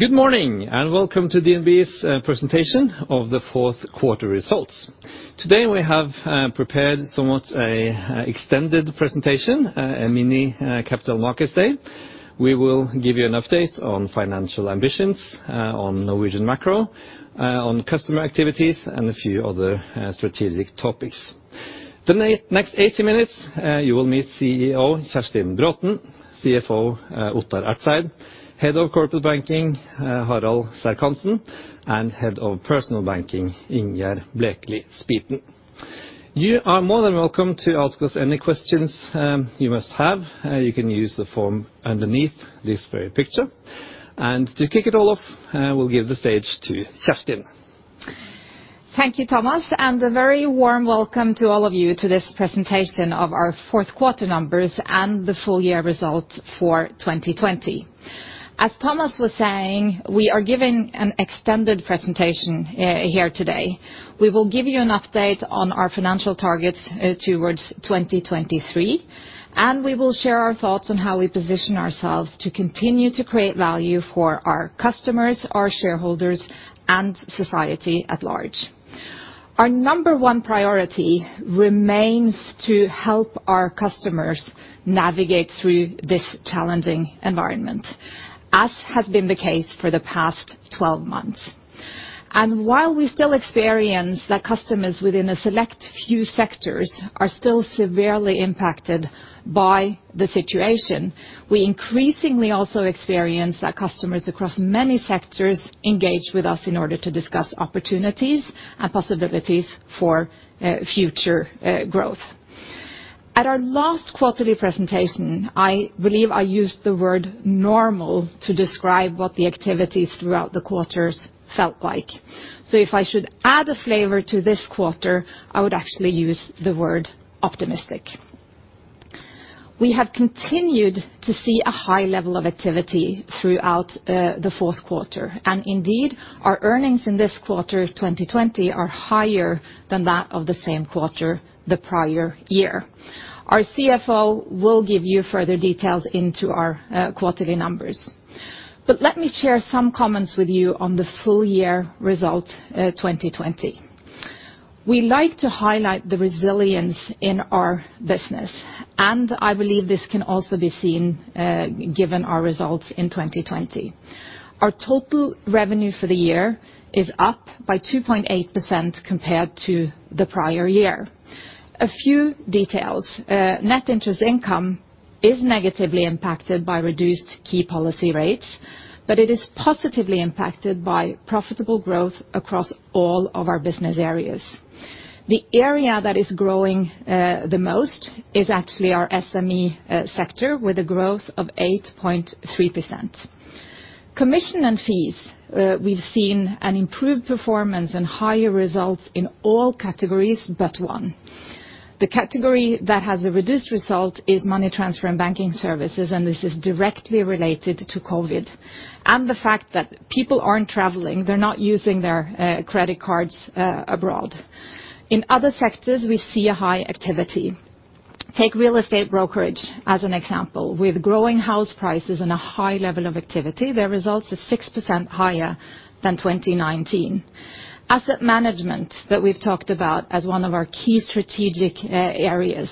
Good morning, and welcome to DNB's presentation of the fourth quarter results. Today, we have prepared somewhat a extended presentation, a mini Capital Markets Day. We will give you an update on financial ambitions, on Norwegian macro, on customer activities, and a few other strategic topics. The next 80 minutes, you will meet CEO Kjerstin Braathen, CFO Ottar Ertzeid, Head of Corporate Banking Harald Serck-Hanssen, and Head of Personal Banking Ingjerd Blekeli Spiten. You are more than welcome to ask us any questions you must have. You can use the form underneath this very picture. To kick it all off, we'll give the stage to Kjerstin. Thank you, Thomas. A very warm welcome to all of you to this presentation of our fourth quarter numbers and the full year results for 2020. As Thomas was saying, we are giving an extended presentation here today. We will give you an update on our financial targets towards 2023. We will share our thoughts on how we position ourselves to continue to create value for our customers, our shareholders, and society at large. Our number one priority remains to help our customers navigate through this challenging environment, as has been the case for the past 12 months. While we still experience that customers within a select few sectors are still severely impacted by the situation, we increasingly also experience that customers across many sectors engage with us in order to discuss opportunities and possibilities for future growth. At our last quarterly presentation, I believe I used the word normal to describe what the activities throughout the quarters felt like. If I should add a flavor to this quarter, I would actually use the word optimistic. We have continued to see a high level of activity throughout the fourth quarter. Indeed, our earnings in this quarter of 2020 are higher than that of the same quarter the prior year. Our CFO will give you further details into our quarterly numbers. Let me share some comments with you on the full year result 2020. We like to highlight the resilience in our business, and I believe this can also be seen, given our results in 2020. Our total revenue for the year is up by 2.8% compared to the prior year. A few details. Net interest income is negatively impacted by reduced key policy rates, it is positively impacted by profitable growth across all of our business areas. The area that is growing the most is actually our SME sector, with a growth of 8.3%. Commission and fees, we've seen an improved performance and higher results in all categories but one. The category that has a reduced result is money transfer and banking services, this is directly related to COVID and the fact that people aren't traveling. They're not using their credit cards abroad. In other sectors, we see a high activity. Take real estate brokerage as an example. With growing house prices and a high level of activity, their results are 6% higher than 2019. Asset management that we've talked about as one of our key strategic areas,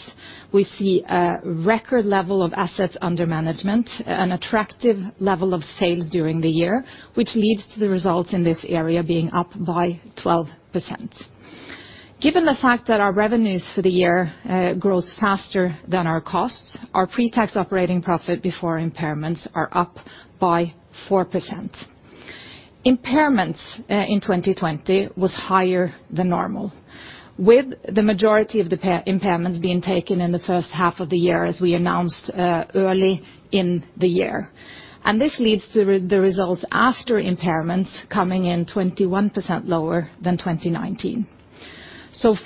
we see a record level of assets under management, an attractive level of sales during the year, which leads to the results in this area being up by 12%. Given the fact that our revenues for the year grows faster than our costs, our pre-tax operating profit before impairments are up by 4%. Impairments in 2020 was higher than normal, with the majority of the impairments being taken in the first half of the year, as we announced early in the year. This leads to the results after impairments coming in 21% lower than 2019.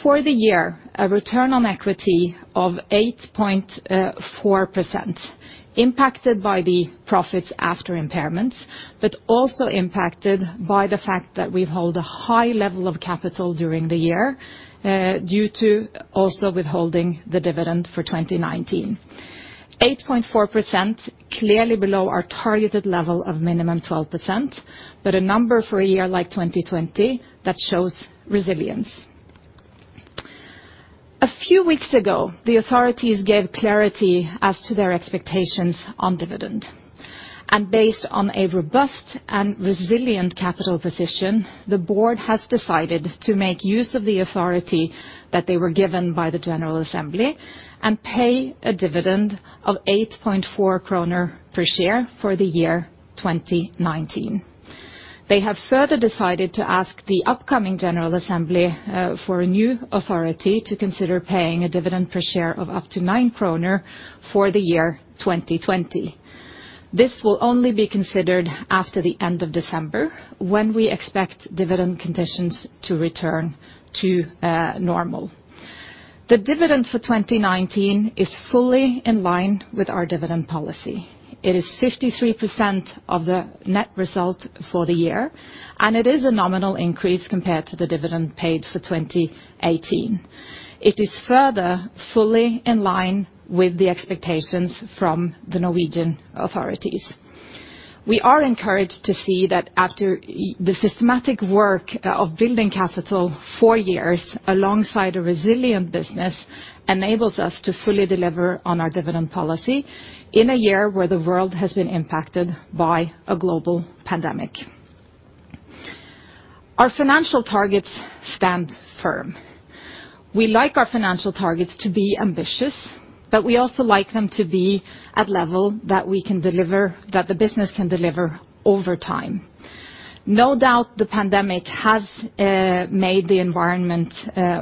For the year, a return on equity of 8.4%, impacted by the profits after impairments, but also impacted by the fact that we've held a high level of capital during the year due to also withholding the dividend for 2019. 8.4%, clearly below our targeted level of minimum 12%, but a number for a year like 2020 that shows resilience. Based on a robust and resilient capital position, the board has decided to make use of the authority that they were given by the general assembly and pay a dividend of 8.4 kroner per share for the year 2019. They have further decided to ask the upcoming general assembly for a new authority to consider paying a dividend per share of up to nine NOK for the year 2020. This will only be considered after the end of December, when we expect dividend conditions to return to normal. The dividend for 2019 is fully in line with our dividend policy. It is 53% of the net result for the year, it is a nominal increase compared to the dividend paid for 2018. It is further fully in line with the expectations from the Norwegian authorities. We are encouraged to see that after the systematic work of building capital for years alongside a resilient business enables us to fully deliver on our dividend policy in a year where the world has been impacted by a global pandemic. Our financial targets stand firm. We like our financial targets to be ambitious, but we also like them to be at level that the business can deliver over time. No doubt, the pandemic has made the environment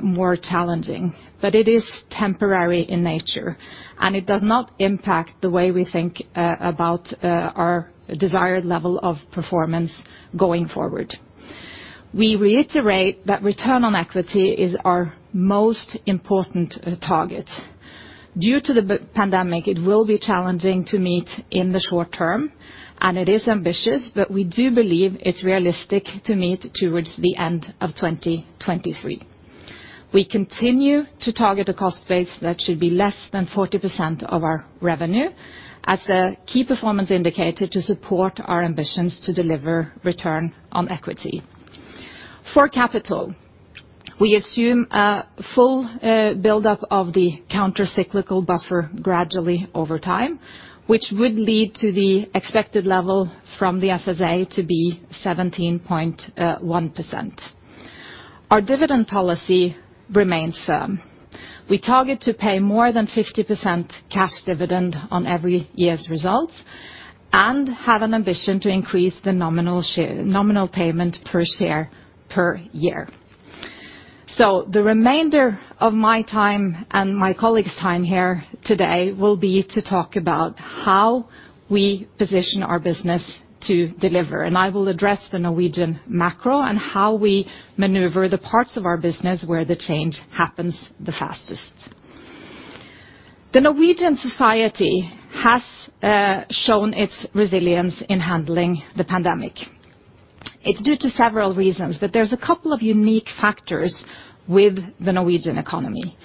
more challenging, but it is temporary in nature, and it does not impact the way we think about our desired level of performance going forward. We reiterate that return on equity is our most important target. Due to the pandemic, it will be challenging to meet in the short term, and it is ambitious, but we do believe it's realistic to meet towards the end of 2023. We continue to target a cost base that should be less than 40% of our revenue as a key performance indicator to support our ambitions to deliver return on equity. For capital, we assume a full buildup of the countercyclical capital buffergradually over time, which would lead to the expected level from the FSA to be 17.1%. Our dividend policy remains firm. We target to pay more than 50% cash dividend on every year's results and have an ambition to increase the nominal payment per share per year. The remainder of my time and my colleague's time here today will be to talk about how we position our business to deliver, and I will address the Norwegian macro and how we maneuver the parts of our business where the change happens the fastest. The Norwegian society has shown its resilience in handling the pandemic. It's due to several reasons, but there's a couple of unique factors with the Norwegian economy.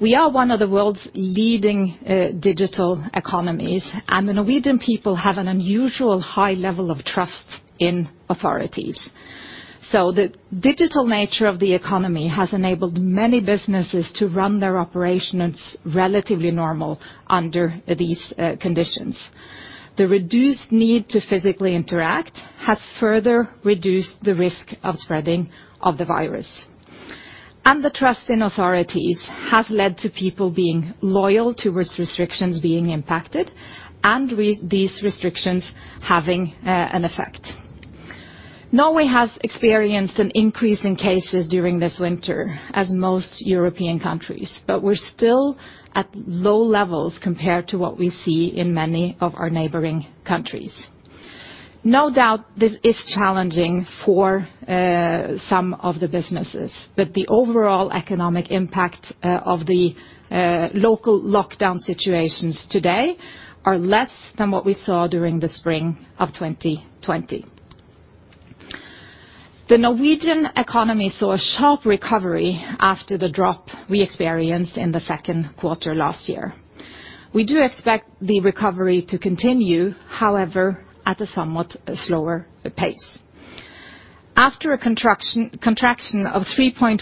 We are one of the world's leading digital economies, and the Norwegian people have an unusual high level of trust in authorities. The digital nature of the economy has enabled many businesses to run their operations relatively normal under these conditions. The reduced need to physically interact has further reduced the risk of spreading of the virus. The trust in authorities has led to people being loyal towards restrictions being impacted, and these restrictions having an effect. Norway has experienced an increase in cases during this winter, as most European countries, but we are still at low levels compared to what we see in many of our neighboring countries. No doubt, this is challenging for some of the businesses, but the overall economic impact of the local lockdown situations today are less than what we saw during the spring of 2020. The Norwegian economy saw a sharp recovery after the drop we experienced in the second quarter last year. We do expect the recovery to continue, however, at a somewhat slower pace. After a contraction of 3.4%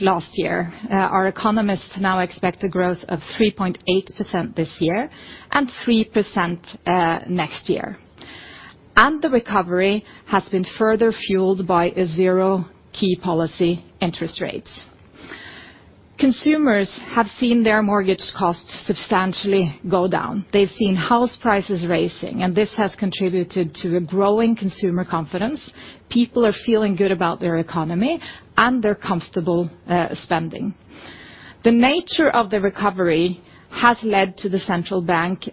last year, our economists now expect a growth of 3.8% this year and 3% next year. The recovery has been further fueled by zero key policy interest rates. Consumers have seen their mortgage costs substantially go down. They've seen house prices rising, this has contributed to a growing consumer confidence. People are feeling good about their economy, they're comfortable spending. The nature of the recovery has led to the central bank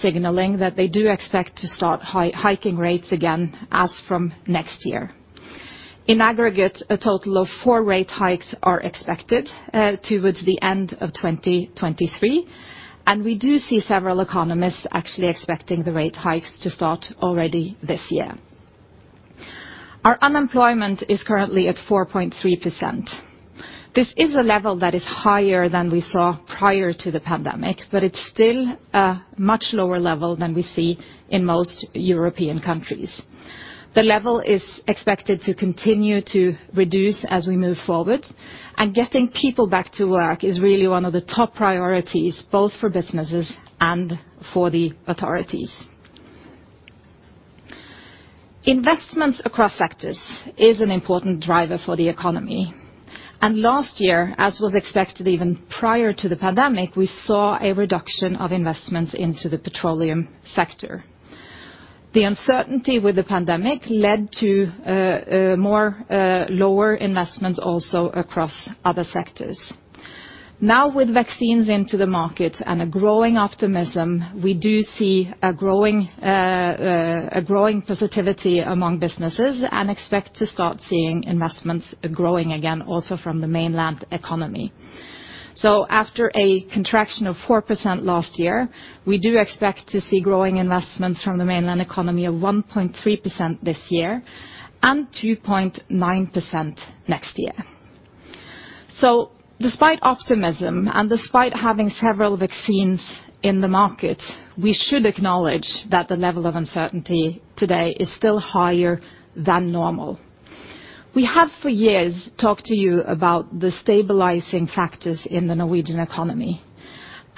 signaling that they do expect to start hiking rates again as from next year. In aggregate, a total of four rate hikes are expected towards the end of 2023, we do see several economists actually expecting the rate hikes to start already this year. Our unemployment is currently at 4.3%. This is a level that is higher than we saw prior to the pandemic, it's still a much lower level than we see in most European countries. The level is expected to continue to reduce as we move forward. Getting people back to work is really one of the top priorities, both for businesses and for the authorities. Investments across sectors is an important driver for the economy. Last year, as was expected even prior to the pandemic, we saw a reduction of investments into the petroleum sector. The uncertainty with the pandemic led to more lower investments also across other sectors. Now with vaccines into the market and a growing optimism, we do see a growing positivity among businesses and expect to start seeing investments growing again also from the mainland economy. After a contraction of 4% last year, we do expect to see growing investments from the mainland economy of 1.3% this year and 2.9% next year. Despite optimism and despite having several vaccines in the market, we should acknowledge that the level of uncertainty today is still higher than normal. We have for years talked to you about the stabilizing factors in the Norwegian economy.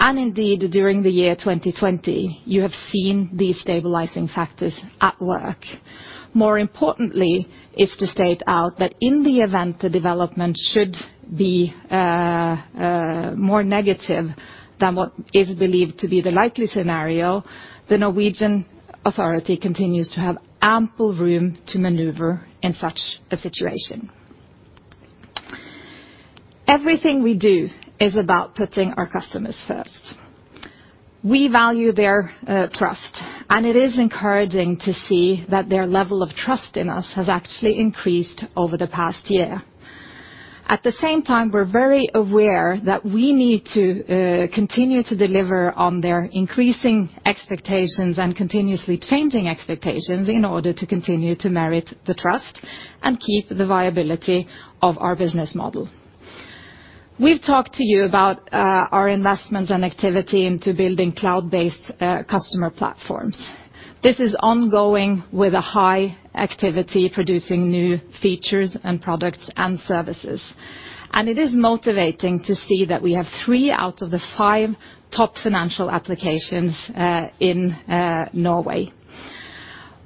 Indeed, during the year 2020, you have seen these stabilizing factors at work. More importantly is to state out that in the event the development should be more negative than what is believed to be the likely scenario, the Norwegian authority continues to have ample room to maneuver in such a situation. Everything we do is about putting our customers first. We value their trust. It is encouraging to see that their level of trust in us has actually increased over the past year. At the same time, we're very aware that we need to continue to deliver on their increasing expectations and continuously changing expectations in order to continue to merit the trust and keep the viability of our business model. We've talked to you about our investments and activity into building cloud-based customer platforms. This is ongoing with a high activity producing new features and products and services. It is motivating to see that we have three out of the five top financial applications in Norway.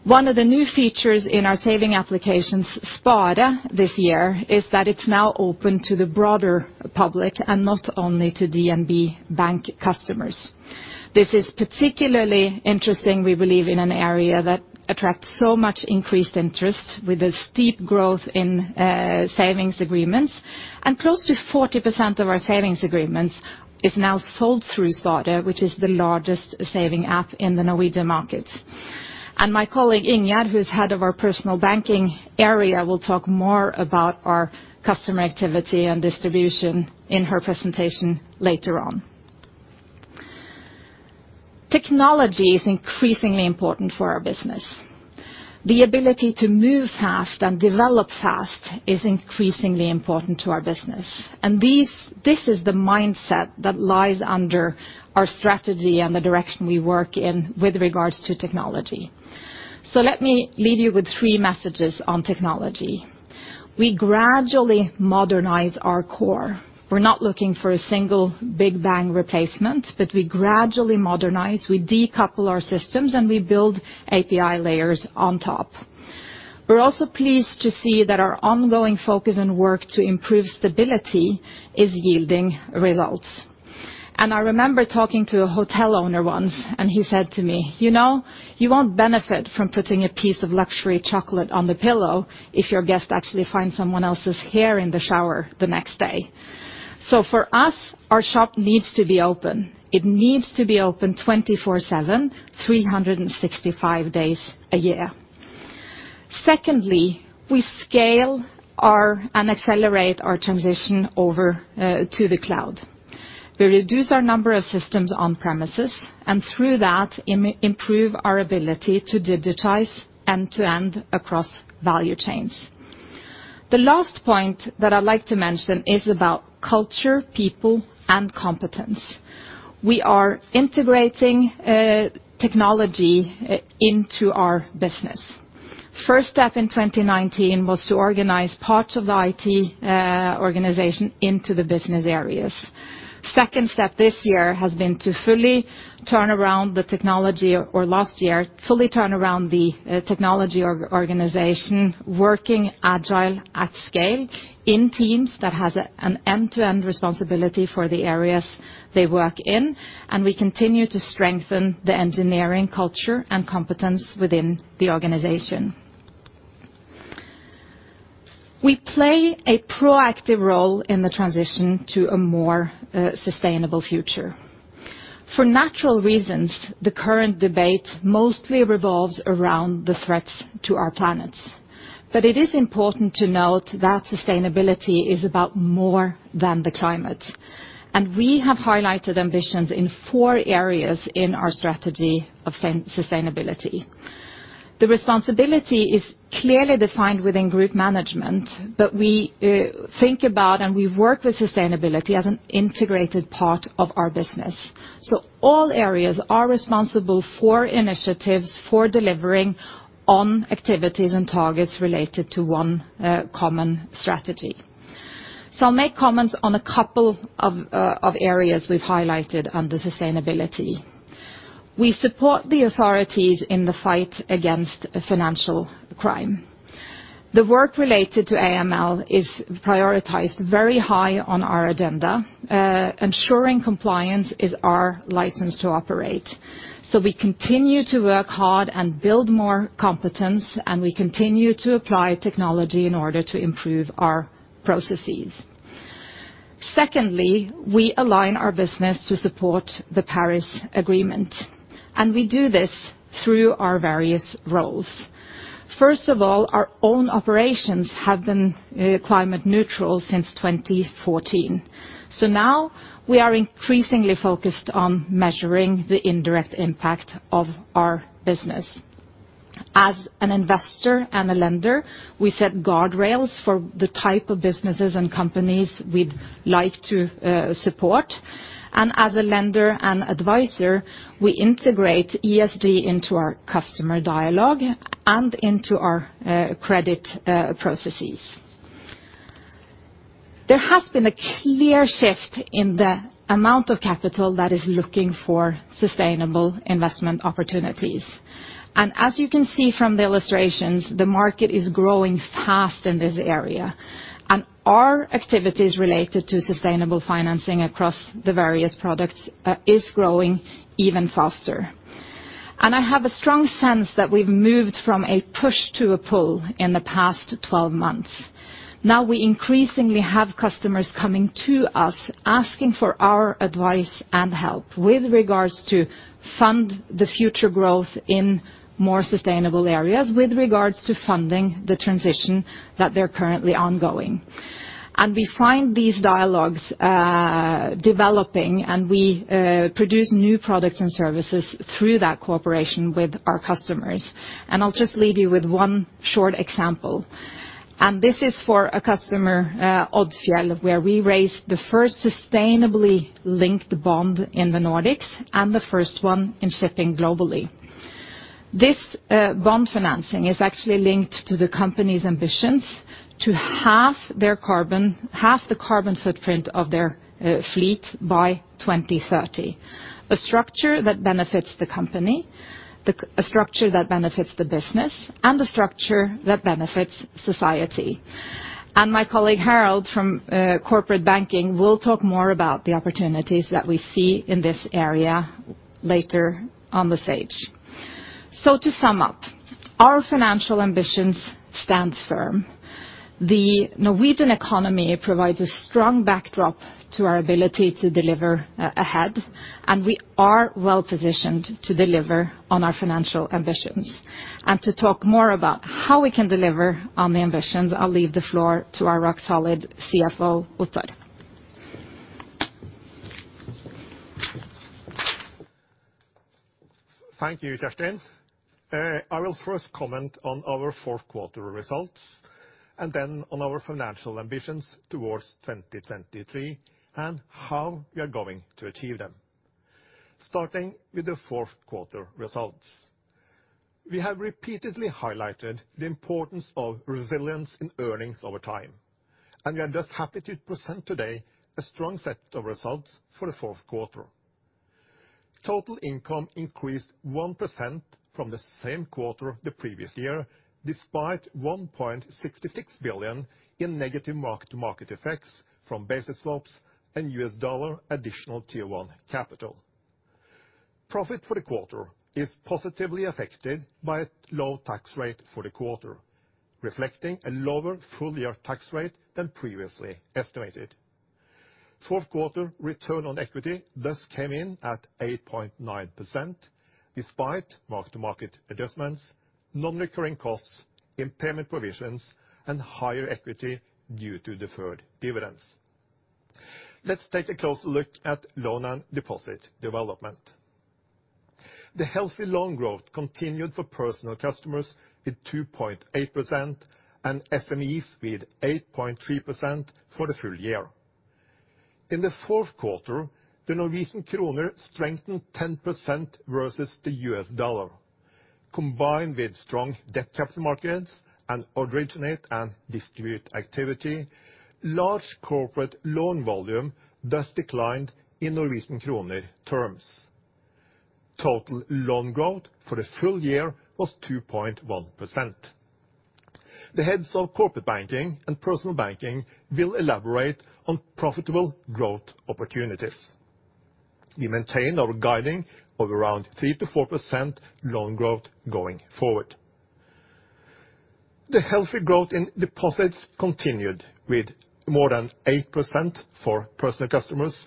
One of the new features in our saving applications, Spare, this year is that it's now open to the broader public and not only to DNB Bank customers. This is particularly interesting, we believe, in an area that attracts so much increased interest with the steep growth in savings agreements. Close to 40% of our savings agreements is now sold through Spare, which is the largest saving app in the Norwegian market. My colleague, Ingjerd, who's head of our personal banking area, will talk more about our customer activity and distribution in her presentation later on. Technology is increasingly important for our business. The ability to move fast and develop fast is increasingly important to our business. This is the mindset that lies under our strategy and the direction we work in with regards to technology. Let me leave you with three messages on technology. We gradually modernize our core. We're not looking for a single big bang replacement, but we gradually modernize, we decouple our systems, and we build API layers on top. We're also pleased to see that our ongoing focus and work to improve stability is yielding results. I remember talking to a hotel owner once, and he said to me, "You know, you won't benefit from putting a piece of luxury chocolate on the pillow if your guest actually finds someone else's hair in the shower the next day. For us, our shop needs to be open. It needs to be open 24/7, 365 days a year. Secondly, we scale and accelerate our transition over to the cloud. We reduce our number of systems on premises, and through that, improve our ability to digitize end-to-end across value chains. The last point that I'd like to mention is about culture, people, and competence. We are integrating technology into our business. First step in 2019 was to organize parts of the IT organization into the business areas. Second step last year, fully turn around the technology organization, working agile at scale in teams that has an end-to-end responsibility for the areas they work in. We continue to strengthen the engineering culture and competence within the organization. We play a proactive role in the transition to a more sustainable future. For natural reasons, the current debate mostly revolves around the threats to our planet. It is important to note that sustainability is about more than the climate, and we have highlighted ambitions in four areas in our strategy of sustainability. The responsibility is clearly defined within group management, but we think about and we work with sustainability as an integrated part of our business. All areas are responsible for initiatives for delivering on activities and targets related to one common strategy. I'll make comments on a couple of areas we've highlighted under sustainability. We support the authorities in the fight against financial crime. The work related to AML is prioritized very high on our agenda. Ensuring compliance is our license to operate. We continue to work hard and build more competence, and we continue to apply technology in order to improve our processes. Secondly, we align our business to support the Paris Agreement, and we do this through our various roles. First of all, our own operations have been climate neutral since 2014. Now we are increasingly focused on measuring the indirect impact of our business. As an investor and a lender, we set guardrails for the type of businesses and companies we'd like to support. As a lender and advisor, we integrate ESG into our customer dialogue and into our credit processes. There has been a clear shift in the amount of capital that is looking for sustainable investment opportunities. As you can see from the illustrations, the market is growing fast in this area. Our activities related to sustainable financing across the various products is growing even faster. I have a strong sense that we've moved from a push to a pull in the past 12 months. Now we increasingly have customers coming to us, asking for our advice and help with regards to fund the future growth in more sustainable areas, with regards to funding the transition that they're currently ongoing. We find these dialogues developing, and we produce new products and services through that cooperation with our customers. I'll just leave you with one short example. This is for a customer, Odfjell, where we raised the first sustainably linked bond in the Nordics and the first one in shipping globally. This bond financing is actually linked to the company's ambitions to halve the carbon footprint of their fleet by 2030. A structure that benefits the company, a structure that benefits the business, and a structure that benefits society. My colleague, Harald, from corporate banking, will talk more about the opportunities that we see in this area later on the stage. To sum up, our financial ambitions stand firm. The Norwegian economy provides a strong backdrop to our ability to deliver ahead, and we are well-positioned to deliver on our financial ambitions. To talk more about how we can deliver on the ambitions, I'll leave the floor to our rock solid CFO, Ottar. Thank you, Kjerstin. I will first comment on our fourth quarter results, then on our financial ambitions towards 2023 and how we are going to achieve them. Starting with the fourth quarter results. We have repeatedly highlighted the importance of resilience in earnings over time, we are just happy to present today a strong set of results for the fourth quarter. Total income increased 1% from the same quarter the previous year, despite 1.66 billion in negative mark-to-market effects from basis swaps and U.S. dollar AT1 capital. Profit for the quarter is positively affected by a low tax rate for the quarter, reflecting a lower full-year tax rate than previously estimated. Fourth quarter ROE thus came in at 8.9%, despite mark-to-market adjustments, non-recurring costs, impairment provisions, higher equity due to deferred dividends. Let's take a closer look at loan and deposit development. The healthy loan growth continued for personal customers with 2.8% and SMEs with 8.3% for the full year. In the fourth quarter, the Norwegian kroner strengthened 10% versus the U.S. dollar. Combined with strong debt capital markets and originate and distribute activity, large corporate loan volume thus declined in Norwegian kroner terms. Total loan growth for the full year was 2.1%. The heads of Corporate Banking and Personal Banking will elaborate on profitable growth opportunities. We maintain our guiding of around 3%-4% loan growth going forward. The healthy growth in deposits continued with more than 8% for personal customers,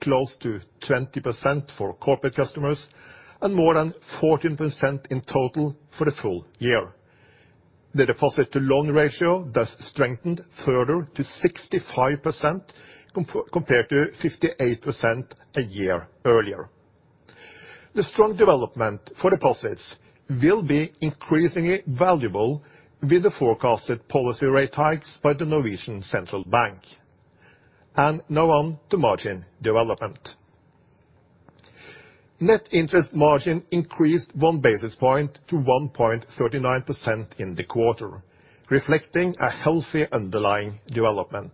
close to 20% for corporate customers, and more than 14% in total for the full year. The deposit to loan ratio thus strengthened further to 65% compared to 58% a year earlier. The strong development for deposits will be increasingly valuable with the forecasted policy rate hikes by the Norwegian Central Bank. Now on to margin development. Net interest margin increased one basis point to 1.39% in the quarter, reflecting a healthy underlying development.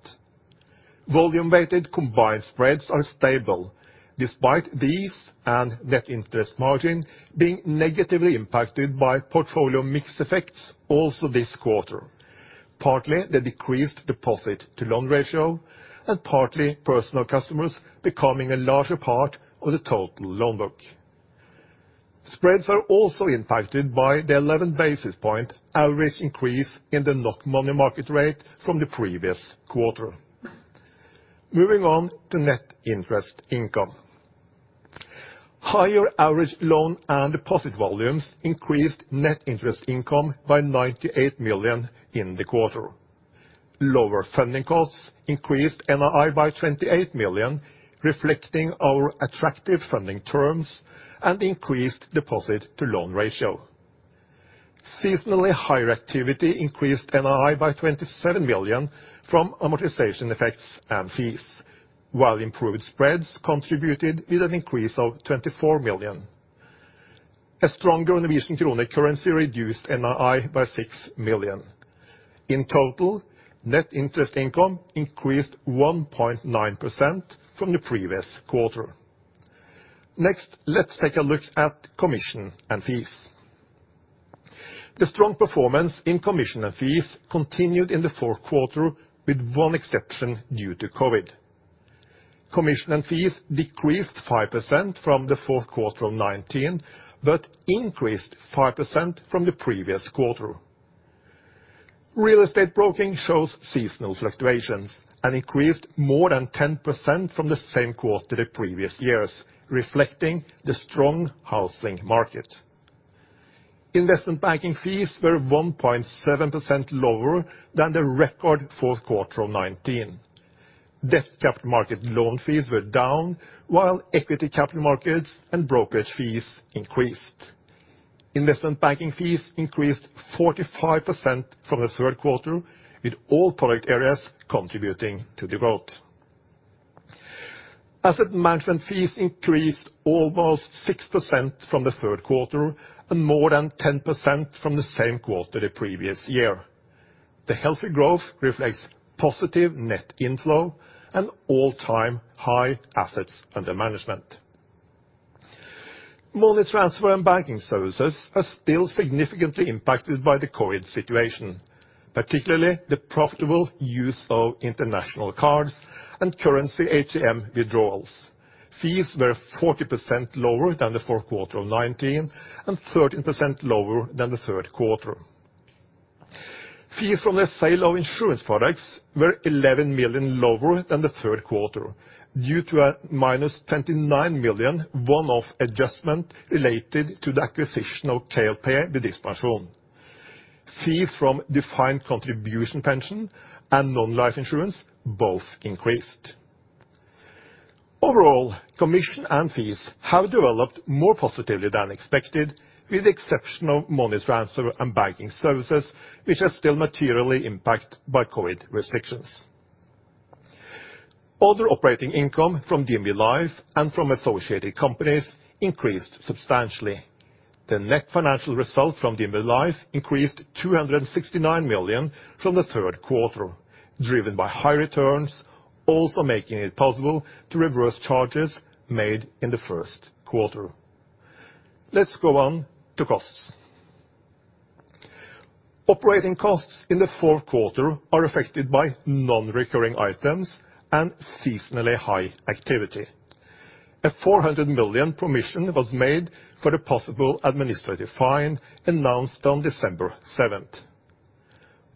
Volume weighted combined spreads are stable despite these and net interest margin being negatively impacted by portfolio mix effects also this quarter. Partly the decreased deposit-to-loan ratio and partly personal customers becoming a larger part of the total loan book. Spreads are also impacted by the 11 basis point average increase in the NOK money market rate from the previous quarter. Moving on to net interest income. Higher average loan and deposit volumes increased net interest income by 98 million in the quarter. Lower funding costs increased NII by 28 million, reflecting our attractive funding terms and increased deposit-to-loan ratio. Seasonally higher activity increased NII by 27 million from amortization effects and fees, while improved spreads contributed with an increase of 24 million. A stronger Norwegian krone currency reduced NII by 6 million. In total, net interest income increased 1.9% from the previous quarter. Next, let's take a look at commission and fees. The strong performance in commission and fees continued in the fourth quarter, with one exception due to COVID-19. Commission and fees decreased 5% from the fourth quarter of 2019, but increased 5% from the previous quarter. Real estate broking shows seasonal fluctuations and increased more than 10% from the same quarter the previous years, reflecting the strong housing market. Investment banking fees were 1.7% lower than the record fourth quarter of 2019. Debt capital market loan fees were down while equity capital markets and brokerage fees increased. Investment banking fees increased 45% from the third quarter, with all product areas contributing to the growth. Asset management fees increased almost 6% from the third quarter and more than 10% from the same quarter the previous year. The healthy growth reflects positive net inflow and all-time high assets under management. Money transfer and banking services are still significantly impacted by the COVID situation, particularly the profitable use of international cards and currency ATM withdrawals. Fees were 40% lower than the fourth quarter of 2019 and 13% lower than the third quarter. Fees from the sale of insurance products were 11 million lower than the third quarter due to -29 million one-off adjustment related to the acquisition of KLP Bedriftspensjon. Fees from defined contribution pension and non-life insurance both increased. Overall, commission and fees have developed more positively than expected, with the exception of money transfer and banking services, which are still materially impacted by COVID-19 restrictions. Other operating income from DNB Life and from associated companies increased substantially. The net financial results from DNB Life increased 269 million from the third quarter, driven by high returns, also making it possible to reverse charges made in the first quarter. Let's go on to costs. Operating costs in the fourth quarter are affected by non-recurring items and seasonally high activity. A 400 million provision was made for the possible administrative fine announced on December 7th.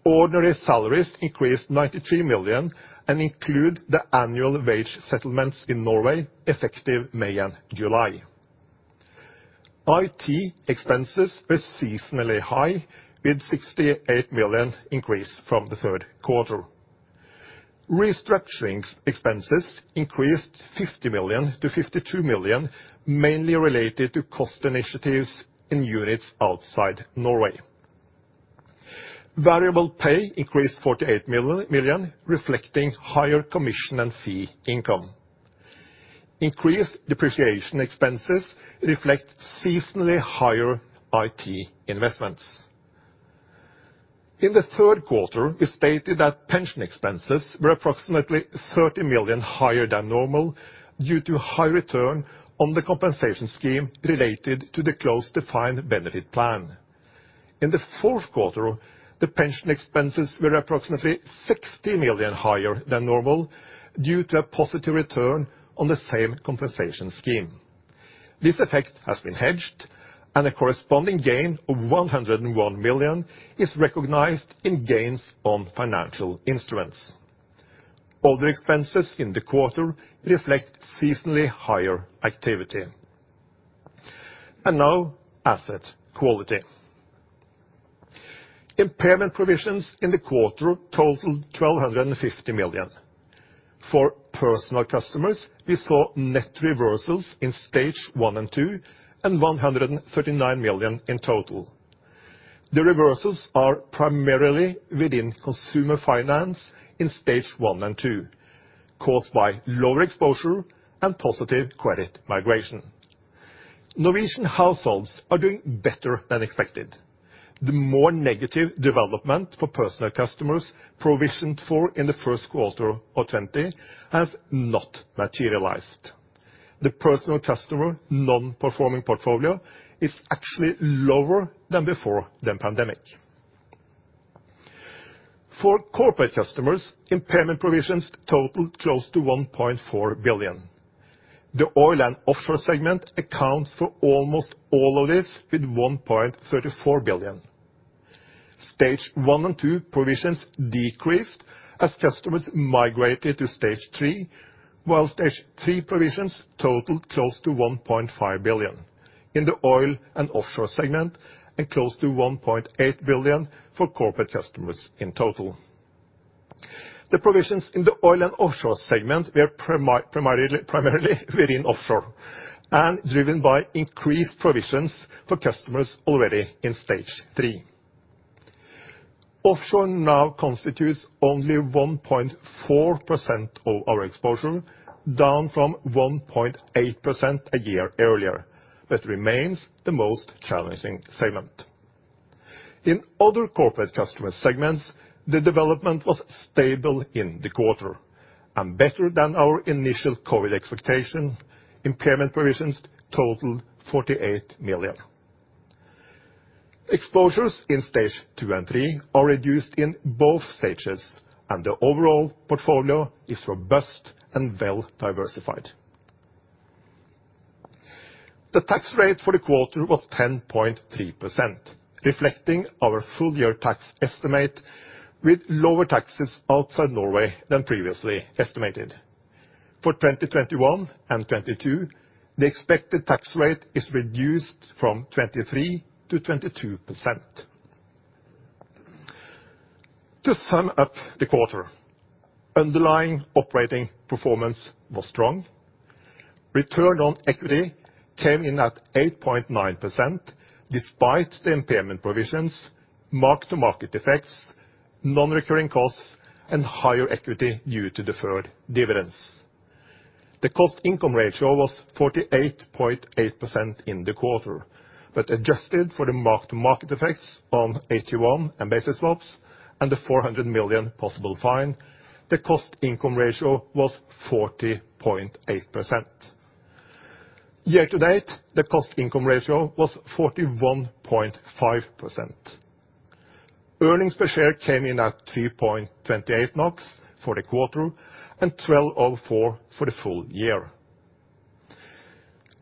Ordinary salaries increased 93 million and include the annual wage settlements in Norway effective May and July. IT expenses were seasonally high, with 68 million increase from the third quarter. Restructuring expenses increased 50 million-52 million, mainly related to cost initiatives in units outside Norway. Variable pay increased 48 million, reflecting higher commission and fee income. Increased depreciation expenses reflect seasonally higher IT investments. In the third quarter, we stated that pension expenses were approximately 30 million higher than normal due to high return on the compensation scheme related to the closed defined benefit plan. In the fourth quarter, the pension expenses were approximately 60 million higher than normal due to a positive return on the same compensation scheme. This effect has been hedged, and a corresponding gain of 101 million is recognized in gains on financial instruments. Other expenses in the quarter reflect seasonally higher activity. Now, asset quality. Impairment provisions in the quarter totaled 1,250 million. For personal customers, we saw net reversals in Stage 1 and 2 and 139 million in total. The reversals are primarily within consumer finance in Stage 1 and 2, caused by lower exposure and positive credit migration. Norwegian households are doing better than expected. The more negative development for personal customers provisioned for in the first quarter of 2020 has not materialized. The personal customer non-performing portfolio is actually lower than before the pandemic. For corporate customers, impairment provisions totaled close to 1.4 billion. The oil and offshore segment accounts for almost all of this, with 1.34 billion. Stage 1 and 2 provisions decreased as customers migrated to Stage 3, whilst Stage 3 provisions totaled close to 1.5 billion in the oil and offshore segment and close to 1.8 billion for corporate customers in total. The provisions in the oil and offshore segment were primarily within offshore and driven by increased provisions for customers already in Stage 3. Offshore now constitutes only 1.4% of our exposure, down from 1.8% a year earlier. That remains the most challenging segment. In other corporate customer segments, the development was stable in the quarter and better than our initial COVID expectation. Impairment provisions totaled 48 million. Exposures in Stage 2 and Stage 3 are reduced in both stages the overall portfolio is robust and well-diversified. The tax rate for the quarter was 10.3%, reflecting our full year tax estimate, with lower taxes outside Norway than previously estimated. For 2021 and 2022, the expected tax rate is reduced from 23% to 22%. To sum up the quarter, underlying operating performance was strong. Return on equity came in at 8.9%, despite the impairment provisions, mark-to-market effects, non-recurring costs, and higher equity due to deferred dividends. The cost-income ratio was 48.8% in the quarter. Adjusted for the mark-to-market effects on AT1 and basis swaps and the 400 million possible fine, the cost-income ratio was 40.8%. Year-to-date, the cost-income ratio was 41.5%. Earnings per share came in at 3.28 NOK for the quarter and 12.04 for the full year.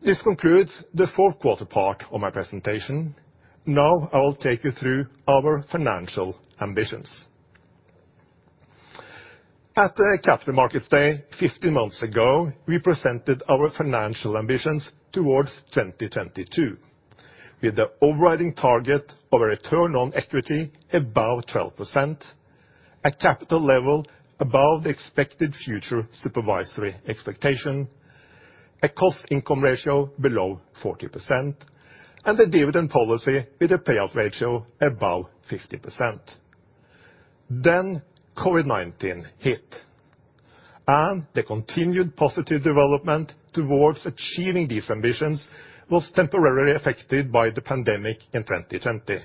This concludes the fourth quarter part of my presentation. I will take you through our financial ambitions. At the Capital Markets Day 15 months ago, we presented our financial ambitions towards 2022, with the overriding target of a return on equity above 12%. A capital level above the expected future supervisory expectation, a cost-income ratio below 40%, and a dividend policy with a payout ratio above 50%. COVID-19 hit, and the continued positive development towards achieving these ambitions was temporarily affected by the pandemic in 2020.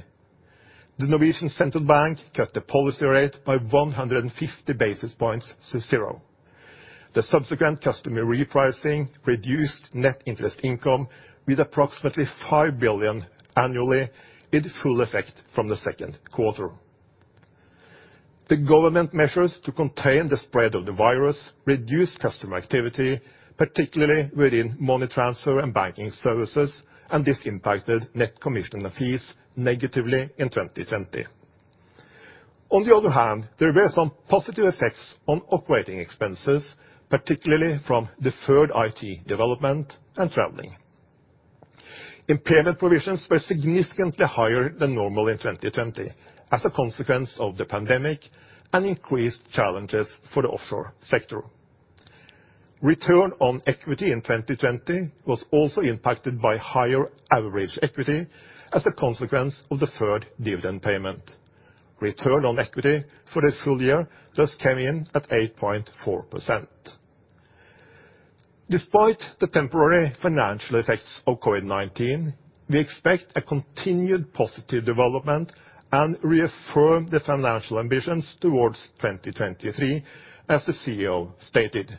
The Norwegian Central Bank cut the policy rate by 150 basis points to zero. The subsequent customer repricing reduced net interest income with approximately 5 billion annually, with full effect from the second quarter. The government measures to contain the spread of the virus reduced customer activity, particularly within money transfer and banking services, and this impacted net commission and fees negatively in 2020. On the other hand, there were some positive effects on operating expenses, particularly from deferred IT development and traveling. Impairment provisions were significantly higher than normal in 2020 as a consequence of the pandemic and increased challenges for the offshore sector. Return on equity in 2020 was also impacted by higher average equity as a consequence of deferred dividend payment. Return on equity for the full year thus came in at 8.4%. Despite the temporary financial effects of COVID-19, we expect a continued positive development and reaffirm the financial ambitions towards 2023, as the CEO stated.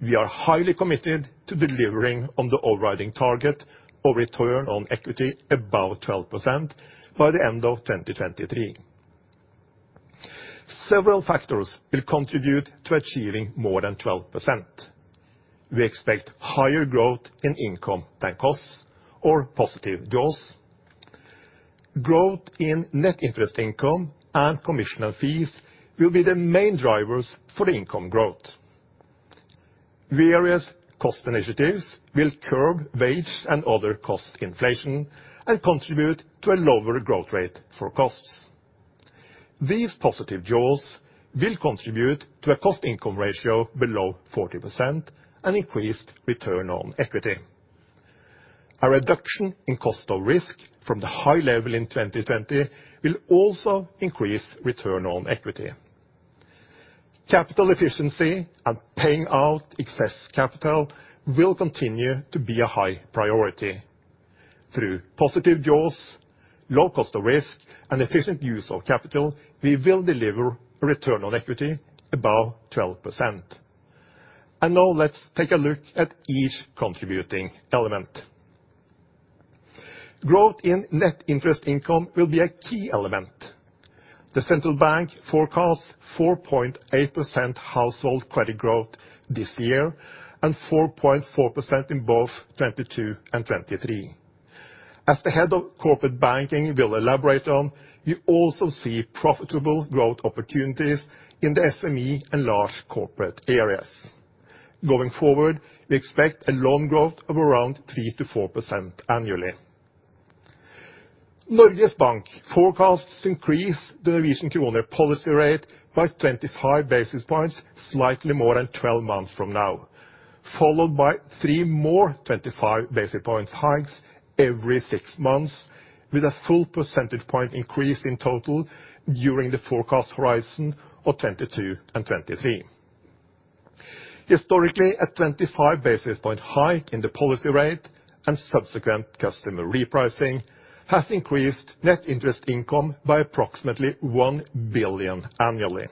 We are highly committed to delivering on the overriding target of return on equity above 12% by the end of 2023. Several factors will contribute to achieving more than 12%. We expect higher growth in income than costs or positive jaws. Growth in net interest income and commission and fees will be the main drivers for the income growth. Various cost initiatives will curb wage and other cost inflation and contribute to a lower growth rate for costs. These positive jaws will contribute to a cost-income ratio below 40% and increased return on equity. A reduction in cost of risk from the high level in 2020 will also increase return on equity. Capital efficiency and paying out excess capital will continue to be a high priority. Through positive jaws, low cost of risk, and efficient use of capital, we will deliver a return on equity above 12%. Now let's take a look at each contributing element. Growth in net interest income will be a key element. The central bank forecasts 4.8% household credit growth this year and 4.4% in both 2022 and 2023. As the head of corporate banking will elaborate on, we also see profitable growth opportunities in the SME and large corporate areas. Going forward, we expect a loan growth of around 3%-4% annually. Norges Bank forecasts increase the Norwegian krone policy rate by 25 basis points slightly more than 12 months from now, followed by three more 25 basis points hikes every six months, with a full percentage point increase in total during the forecast horizon of 2022 and 2023. Historically, a 25 basis point hike in the policy rate and subsequent customer repricing has increased net interest income by approximately 1 billion annually.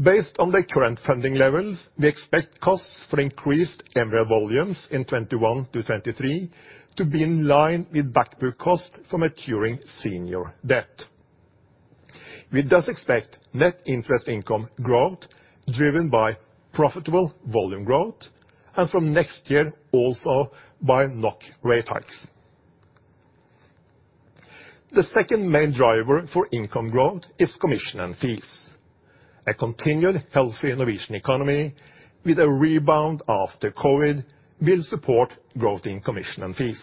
Based on the current funding levels, we expect costs for increased MREL volumes in 2021-2023 to be in line with back book costs from maturing senior debt. We thus expect net interest income growth driven by profitable volume growth, and from next year, also by NOK rate hikes. The second main driver for income growth is commission and fees. A continued healthy Norwegian economy with a rebound after COVID-19 will support growth in commission and fees.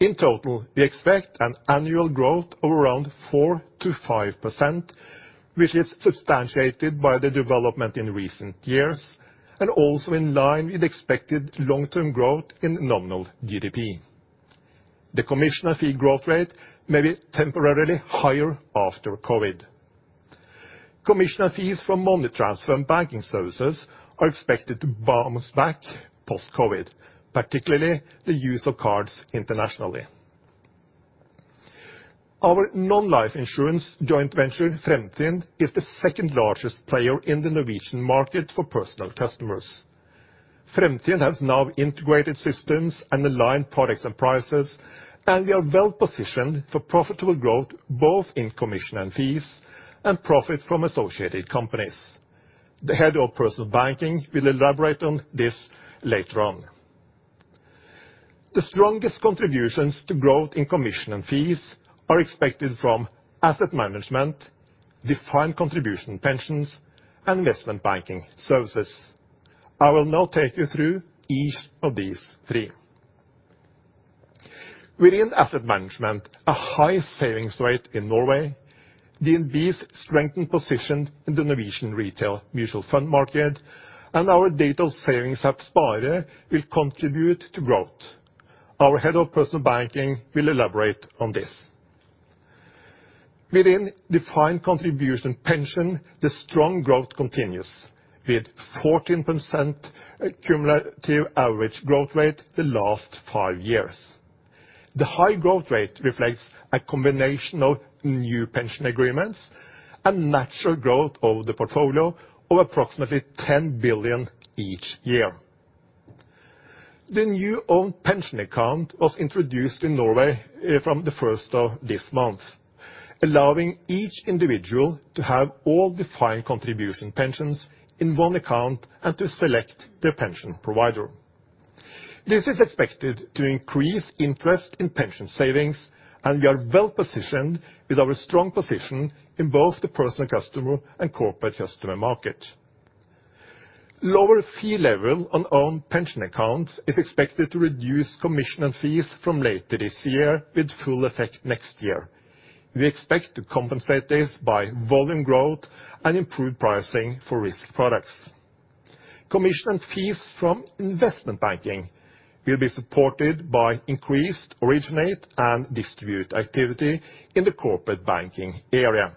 In total, we expect an annual growth of around 4%-5%, which is substantiated by the development in recent years, and also in line with expected long-term growth in nominal GDP. The commission and fee growth rate may be temporarily higher after COVID-19. Commission and fees from money transfer and banking services are expected to bounce back post-COVID-19, particularly the use of cards internationally. Our non-life insurance joint venture, Fremtind, is the second largest player in the Norwegian market for personal customers. Fremtind has now integrated systems and aligned products and prices, and we are well positioned for profitable growth both in commission and fees and profit from associated companies. The Head of Personal Banking will elaborate on this later on. The strongest contributions to growth in commission and fees are expected from asset management, defined contribution pensions, and investment banking services. I will now take you through each of these three. Within asset management, a high savings rate in Norway, DNB's strengthened position in the Norwegian retail mutual fund market, and our digital savings app Spare will contribute to growth. Our Head of Personal Banking will elaborate on this. Within defined contribution pension, the strong growth continues, with 14% cumulative average growth rate the last five years. The high growth rate reflects a combination of new pension agreements and natural growth of the portfolio of approximately 10 billion each year. The new own pension account was introduced in Norway from the 1st of this month, allowing each individual to have all defined contribution pensions in one account and to select their pension provider. This is expected to increase interest in pension savings, and we are well positioned with our strong position in both the personal customer and corporate customer market. Lower fee level on own pension accounts is expected to reduce commission and fees from later this year, with full effect next year. We expect to compensate this by volume growth and improved pricing for risk products. Commission and fees from investment banking will be supported by increased originate and distribute activity in the corporate banking area.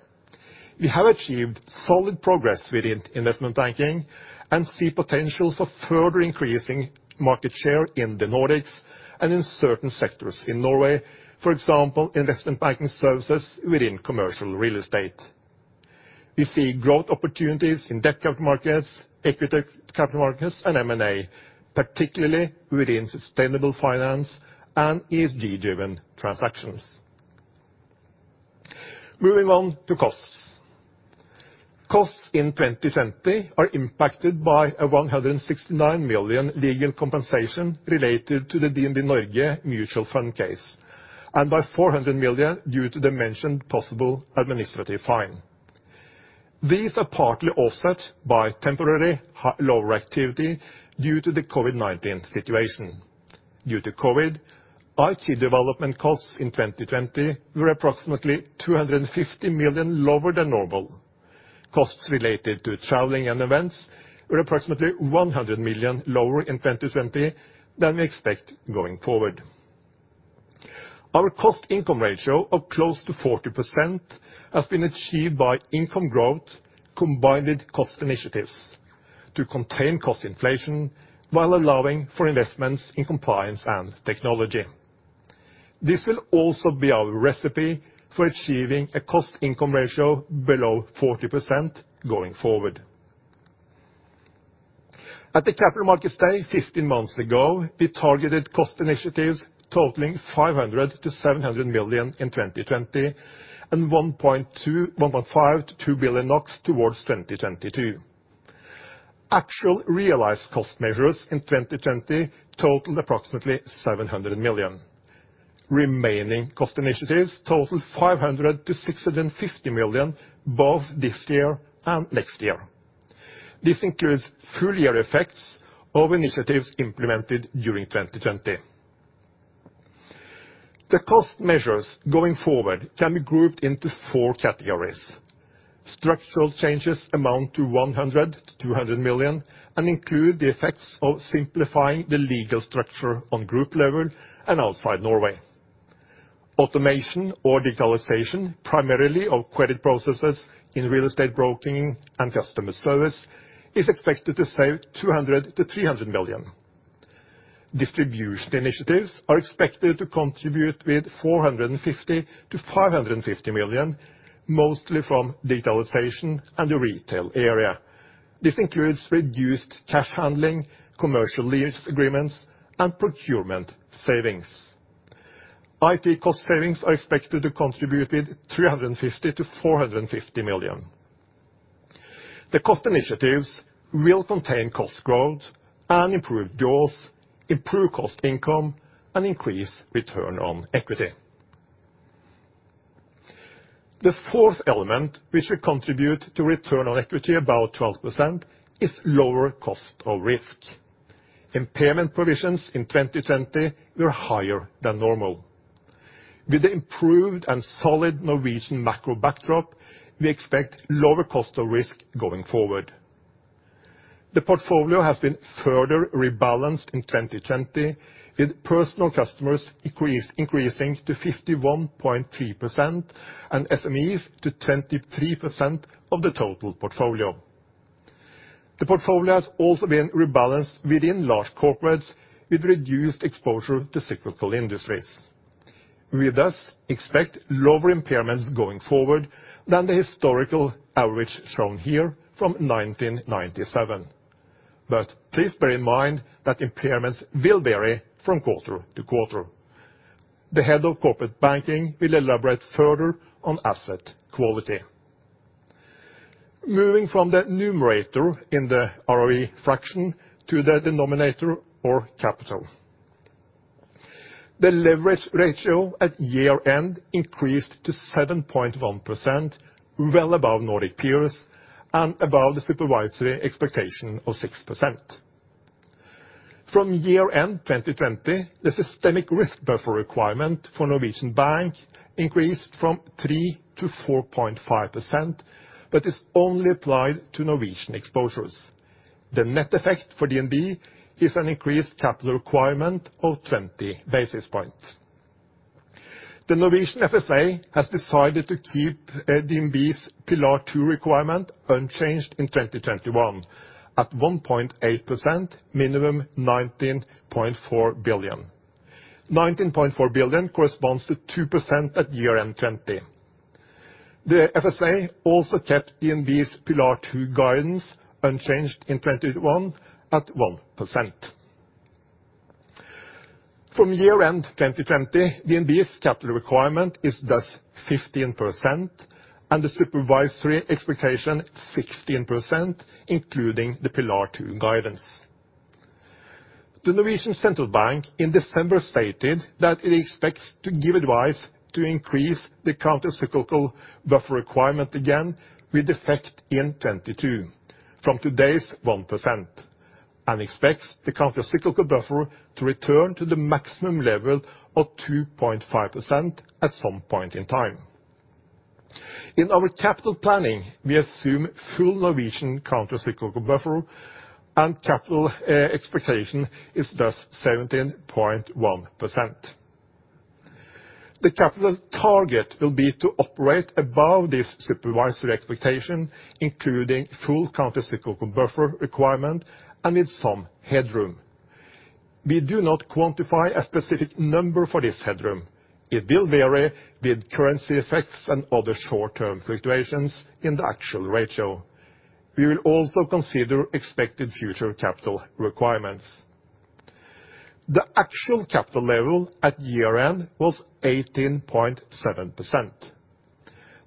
We have achieved solid progress within investment banking and see potential for further increasing market share in the Nordics and in certain sectors in Norway. For example, investment banking services within commercial real estate. We see growth opportunities in debt capital markets, equity capital markets, and M&A, particularly within sustainable finance and ESG-driven transactions. Moving on to costs. Costs in 2020 are impacted by a 169 million legal compensation related to the DNB Norge mutual fund case, and by 400 million due to the mentioned possible administrative fine. These are partly offset by temporary lower activity due to the COVID-19 situation. Due to COVID, IT development costs in 2020 were approximately 250 million lower than normal. Costs related to traveling and events were approximately 100 million lower in 2020 than we expect going forward. Our cost-income ratio of close to 40% has been achieved by income growth combined with cost initiatives to contain cost inflation while allowing for investments in compliance and technology. This will also be our recipe for achieving a cost-income ratio below 40% going forward. At the Capital Markets Day 15 months ago, we targeted cost initiatives totaling 500 million-700 million in 2020 and 1.5 billion-2 billion NOK towards 2022. Actual realized cost measures in 2020 totaled approximately 700 million. Remaining cost initiatives totaled 500 million-650 million, both this year and next year. This includes full year effects of initiatives implemented during 2020. The cost measures going forward can be grouped into four categories. Structural changes amount to 100 million-200 million and include the effects of simplifying the legal structure on group level and outside Norway. Automation or digitalization, primarily of credit processes in real estate broking and customer service, is expected to save 200 million-300 million. Distribution initiatives are expected to contribute with 450 million-550 million, mostly from digitalization and the retail area. This includes reduced cash handling, commercial lease agreements, and procurement savings. IT cost savings are expected to contribute with 350 million-450 million. The cost initiatives will contain cost growth and improve ROAE, improve cost income, and increase return on equity. The fourth element, which will contribute to return on equity about 12%, is lower cost of risk. Impairment provisions in 2020 were higher than normal. With the improved and solid Norwegian macro backdrop, we expect lower cost of risk going forward. The portfolio has been further rebalanced in 2020, with personal customers increasing to 51.3% and SMEs to 23% of the total portfolio. The portfolio has also been rebalanced within large corporates, with reduced exposure to cyclical industries. We thus expect lower impairments going forward than the historical average shown here from 1997. Please bear in mind that impairments will vary from quarter to quarter. The head of corporate banking will elaborate further on asset quality. Moving from the numerator in the ROE fraction to the denominator or capital. The leverage ratio at year-end increased to 7.1%, well above Nordic peers and above the supervisory expectation of 6%. From year-end 2020, the systemic risk buffer requirement for Norwegian bank increased from 3%-4.5%, but is only applied to Norwegian exposures. The net effect for DNB is an increased capital requirement of 20 basis points. The Norwegian FSA has decided to keep DNB's Pillar 2 requirement unchanged in 2021 at 1.8%, minimum 19.4 billion. 19.4 billion corresponds to 2% at year-end 2020. The FSA also kept DNB's Pillar 2 guidance unchanged in 2021 at 1%. From year-end 2020, DNB's capital requirement is thus 15%, and the supervisory expectation 16%, including the Pillar 2 guidance. The Norwegian Central Bank in December stated that it expects to give advice to increase the countercyclical buffer requirement again with effect in 2022 from today's 1%, and expects the countercyclical buffer to return to the maximum level of 2.5% at some point in time. In our capital planning, we assume full Norwegian countercyclical buffer and capital expectation is thus 17.1%. The capital target will be to operate above this supervisory expectation, including full countercyclical buffer requirement and with some headroom. We do not quantify a specific number for this headroom. It will vary with currency effects and other short-term fluctuations in the actual ratio. We will also consider expected future capital requirements. The actual capital level at year-end was 18.7%.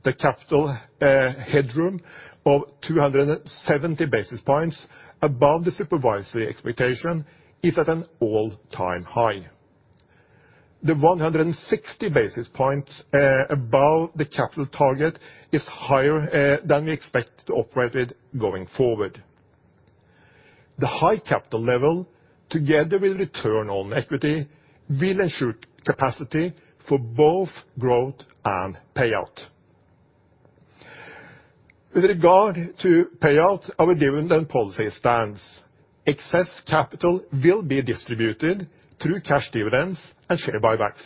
The capital headroom of 270 basis points above the supervisory expectation is at an all-time high. The 160 basis points above the capital target is higher than we expect to operate with going forward. The high capital level, together with return on equity, will ensure capacity for both growth and payout. With regard to payout, our dividend policy stands. Excess capital will be distributed through cash dividends and share buybacks.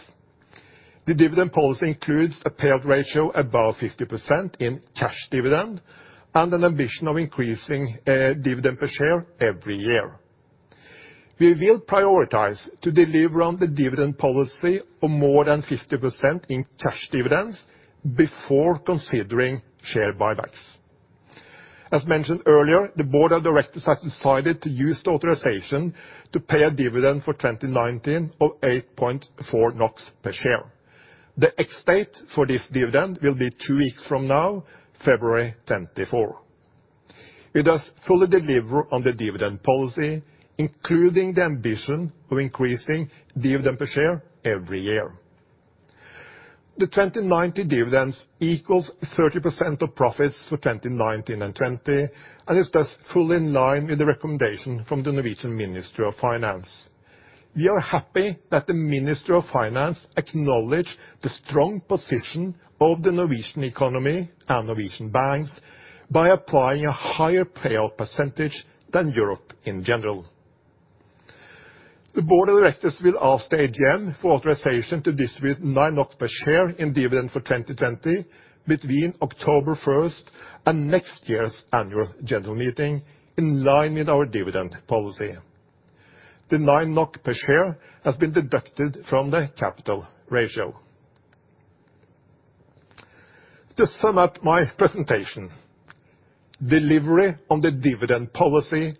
The dividend policy includes a payout ratio above 50% in cash dividend and an ambition of increasing dividend per share every year. We will prioritize to deliver on the dividend policy of more than 50% in cash dividends before considering share buybacks. As mentioned earlier, the board of directors has decided to use the authorization to pay a dividend for 2019 of 8.4 NOK per share. The ex-date for this dividend will be two weeks from now, February 24th. We thus fully deliver on the dividend policy, including the ambition of increasing dividend per share every year. The 2019 dividends equals 30% of profits for 2019 and 2020, and it is thus fully in line with the recommendation from the Norwegian Ministry of Finance. We are happy that the Ministry of Finance acknowledged the strong position of the Norwegian economy and Norwegian banks by applying a higher payout percentage than Europe in general. The board of directors will ask the AGM for authorization to distribute 9 NOK per share in dividend for 2020 between October 1st and next year's annual general meeting in line with our dividend policy. The 9 NOK per share has been deducted from the capital ratio. To sum up my presentation, delivery on the dividend policy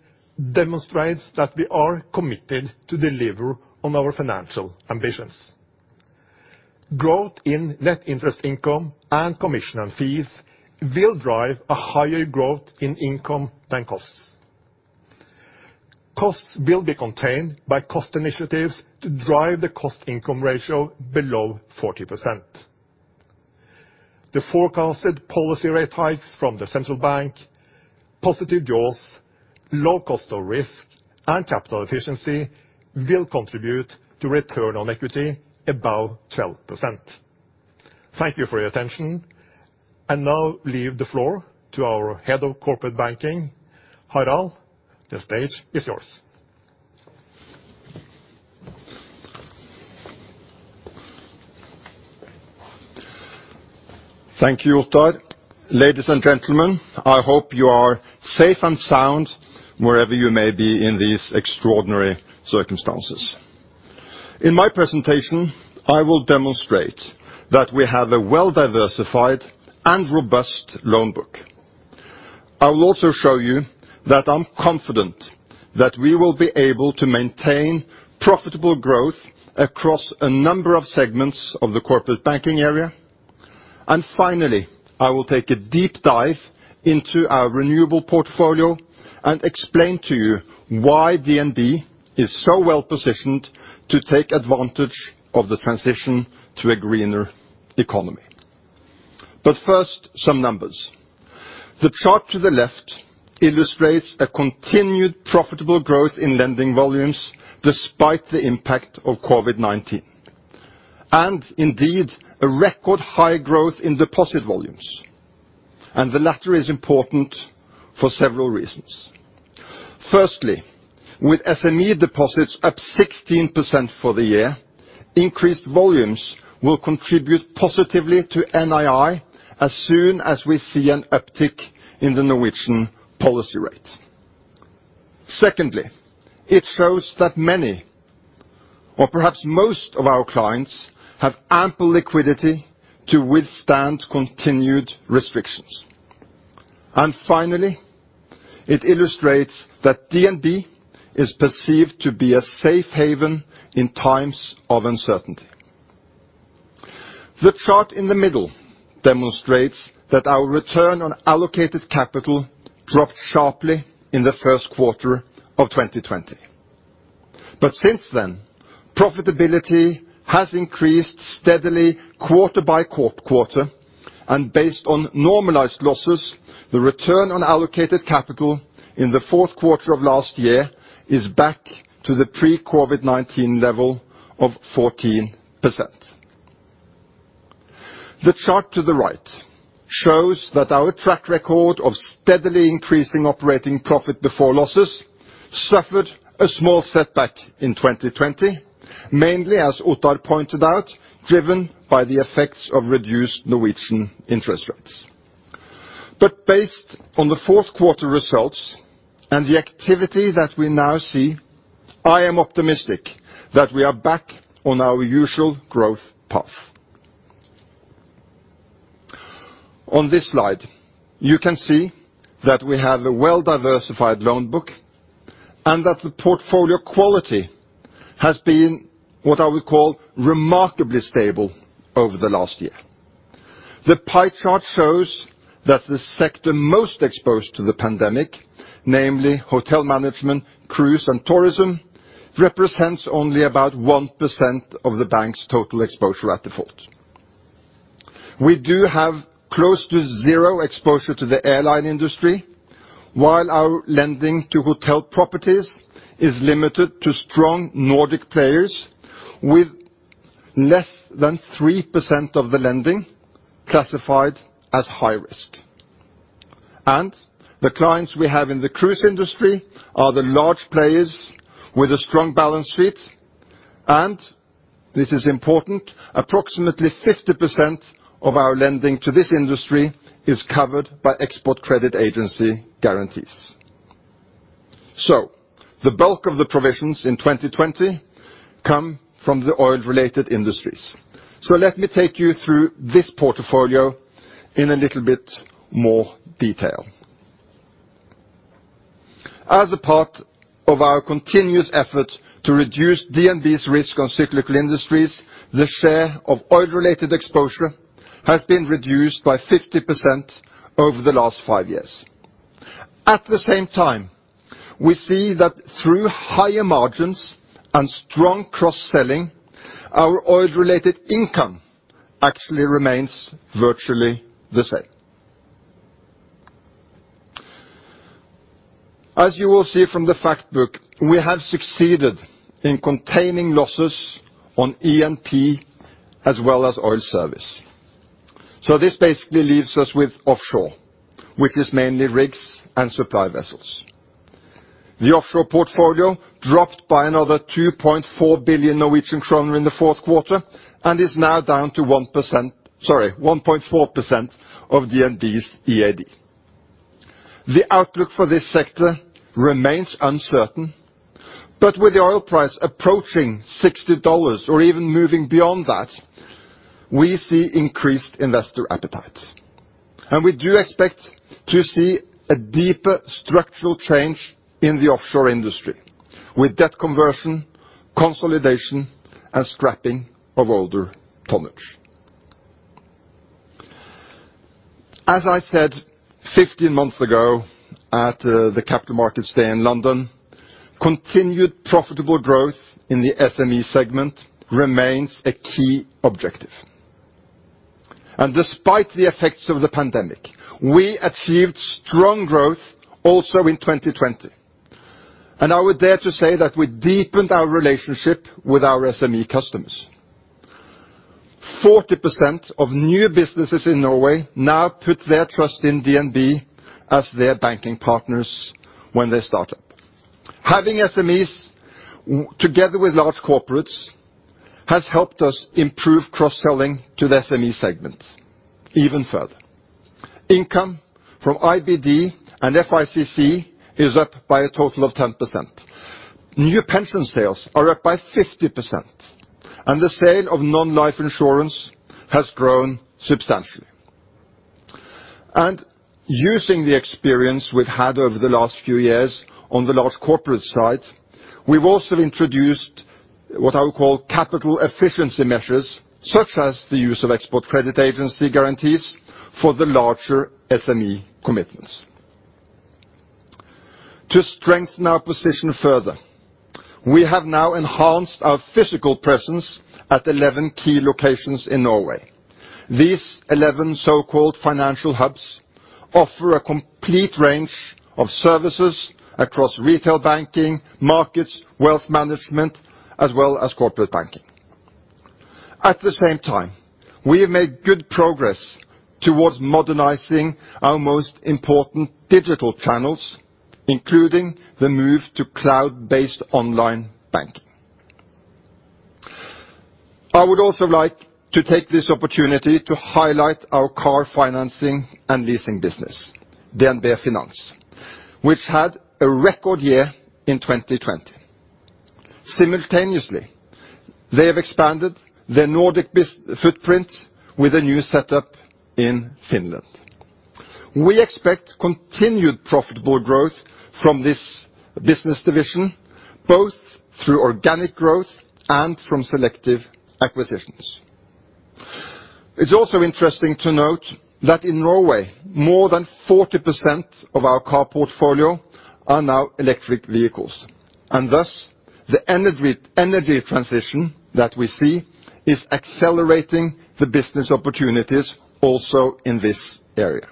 demonstrates that we are committed to deliver on our financial ambitions. Growth in net interest income and commission and fees will drive a higher growth in income than costs. Costs will be contained by cost initiatives to drive the cost-income ratio below 40%. The forecasted policy rate hikes from the central bank, positive jaws, low cost of risk, and capital efficiency will contribute to return on equity above 12%. Thank you for your attention. Now leave the floor to our head of corporate banking, Harald. The stage is yours. Thank you, Ottar. Ladies and gentlemen, I hope you are safe and sound wherever you may be in these extraordinary circumstances. In my presentation, I will demonstrate that we have a well-diversified and robust loan book. I will also show you that I'm confident that we will be able to maintain profitable growth across a number of segments of the corporate banking area. Finally, I will take a deep dive into our renewable portfolio and explain to you why DNB is so well positioned to take advantage of the transition to a greener economy. First, some numbers. The chart to the left illustrates a continued profitable growth in lending volumes despite the impact of COVID-19, indeed, a record high growth in deposit volumes. The latter is important for several reasons. Firstly, with SME deposits up 16% for the year, increased volumes will contribute positively to NII as soon as we see an uptick in the Norwegian policy rate. Secondly, it shows that many or perhaps most of our clients have ample liquidity to withstand continued restrictions. Finally, it illustrates that DNB is perceived to be a safe haven in times of uncertainty. The chart in the middle demonstrates that our return on allocated capital dropped sharply in the first quarter of 2020. Since then, profitability has increased steadily quarter by quarter, and based on normalized losses, the return on allocated capital in the fourth quarter of last year is back to the pre-COVID-19 level of 14%. The chart to the right shows that our track record of steadily increasing operating profit before losses suffered a small setback in 2020. Mainly, as Ottar pointed out, driven by the effects of reduced Norwegian interest rates. Based on the fourth quarter results and the activity that we now see, I am optimistic that we are back on our usual growth path. On this slide, you can see that we have a well-diversified loan book and that the portfolio quality has been what I would call remarkably stable over the last year. The pie chart shows that the sector most exposed to the pandemic, namely hotel management, cruise, and tourism, represents only about 1% of the bank's total exposure at default. We do have close to zero exposure to the airline industry, while our lending to hotel properties is limited to strong Nordic players with less than 3% of the lending classified as high risk. The clients we have in the cruise industry are the large players with a strong balance sheet, and this is important, approximately 50% of our lending to this industry is covered by Export Credit Agency guarantees. The bulk of the provisions in 2020 come from the oil-related industries. Let me take you through this portfolio in a little bit more detail. As a part of our continuous effort to reduce DNB's risk on cyclical industries, the share of oil-related exposure has been reduced by 50% over the last five years. At the same time, we see that through higher margins and strong cross-selling, our oil-related income actually remains virtually the same. As you will see from the fact book, we have succeeded in containing losses on E&P as well as oil service. This basically leaves us with offshore, which is mainly rigs and supply vessels. The offshore portfolio dropped by another 2.4 billion Norwegian kroner in the fourth quarter, and is now down to 1%, sorry, 1.4% of DNB's EAD. The outlook for this sector remains uncertain, with the oil price approaching $60 or even moving beyond that, we see increased investor appetite. We do expect to see a deeper structural change in the offshore industry, with debt conversion, consolidation, and scrapping of older tonnage. As I said 15 months ago at the Capital Markets Day in London, continued profitable growth in the SME segment remains a key objective. Despite the effects of the pandemic, we achieved strong growth also in 2020. I would dare to say that we deepened our relationship with our SME customers. 40% of new businesses in Norway now put their trust in DNB as their banking partners when they start up. Having SMEs together with large corporates has helped us improve cross-selling to the SME segment even further. Income from IBD and FICC is up by a total of 10%. New pension sales are up by 50%, and the sale of non-life insurance has grown substantially. Using the experience we've had over the last few years on the large corporate side. We've also introduced what I would call capital efficiency measures, such as the use of Export Credit Agency guarantees for the larger SME commitments. To strengthen our position further, we have now enhanced our physical presence at 11 key locations in Norway. These 11 so-called financial hubs offer a complete range of services across retail banking, markets, wealth management, as well as corporate banking. At the same time, we have made good progress towards modernizing our most important digital channels, including the move to cloud-based online banking. I would also like to take this opportunity to highlight our car financing and leasing business, DNB Finans, which had a record year in 2020. Simultaneously, they have expanded their Nordic footprint with a new setup in Finland. We expect continued profitable growth from this business division, both through organic growth and from selective acquisitions. It's also interesting to note that in Norway, more than 40% of our car portfolio are now electric vehicles, and thus, the energy transition that we see is accelerating the business opportunities also in this area.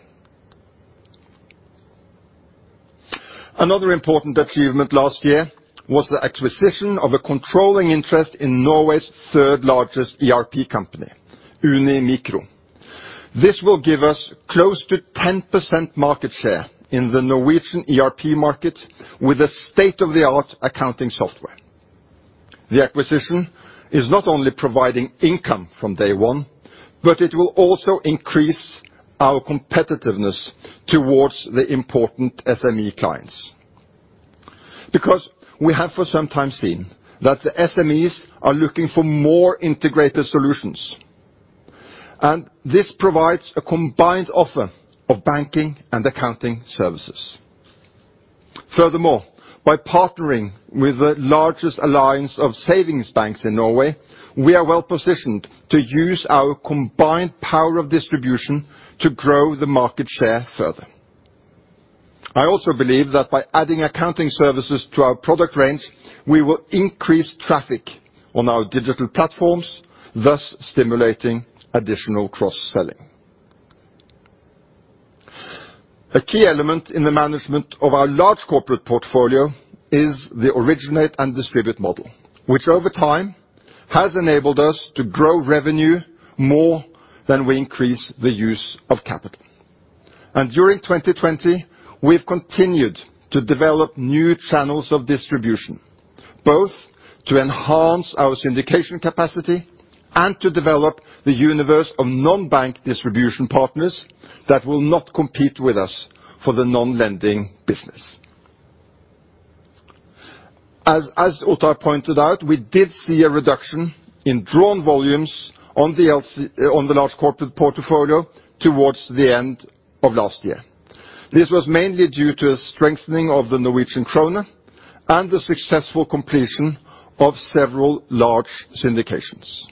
Another important achievement last year was the acquisition of a controlling interest in Norway's third-largest ERP company, Uni Micro. This will give us close to 10% market share in the Norwegian ERP market with a state-of-the-art accounting software. The acquisition is not only providing income from day one, but it will also increase our competitiveness towards the important SME clients. Because we have for some time seen that the SMEs are looking for more integrated solutions, and this provides a combined offer of banking and accounting services. Furthermore, by partnering with the largest alliance of savings banks in Norway, we are well-positioned to use our combined power of distribution to grow the market share further. I also believe that by adding accounting services to our product range, we will increase traffic on our digital platforms, thus stimulating additional cross-selling. A key element in the management of our large corporate portfolio is the originate and distribute model, which over time has enabled us to grow revenue more than we increase the use of capital. During 2020, we've continued to develop new channels of distribution, both to enhance our syndication capacity and to develop the universe of non-bank distribution partners that will not compete with us for the non-lending business. As Ottar pointed out, we did see a reduction in drawn volumes on the large corporate portfolio towards the end of last year. This was mainly due to a strengthening of the Norwegian krone and the successful completion of several large syndications.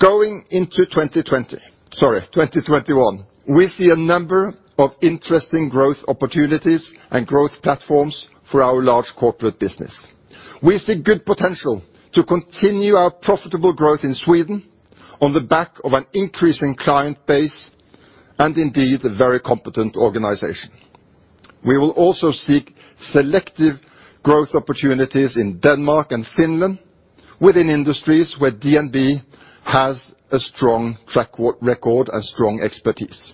Going into 2021, we see a number of interesting growth opportunities and growth platforms for our large corporate business. We see good potential to continue our profitable growth in Sweden on the back of an increasing client base and indeed a very competent organization. We will also seek selective growth opportunities in Denmark and Finland within industries where DNB has a strong track record and strong expertise.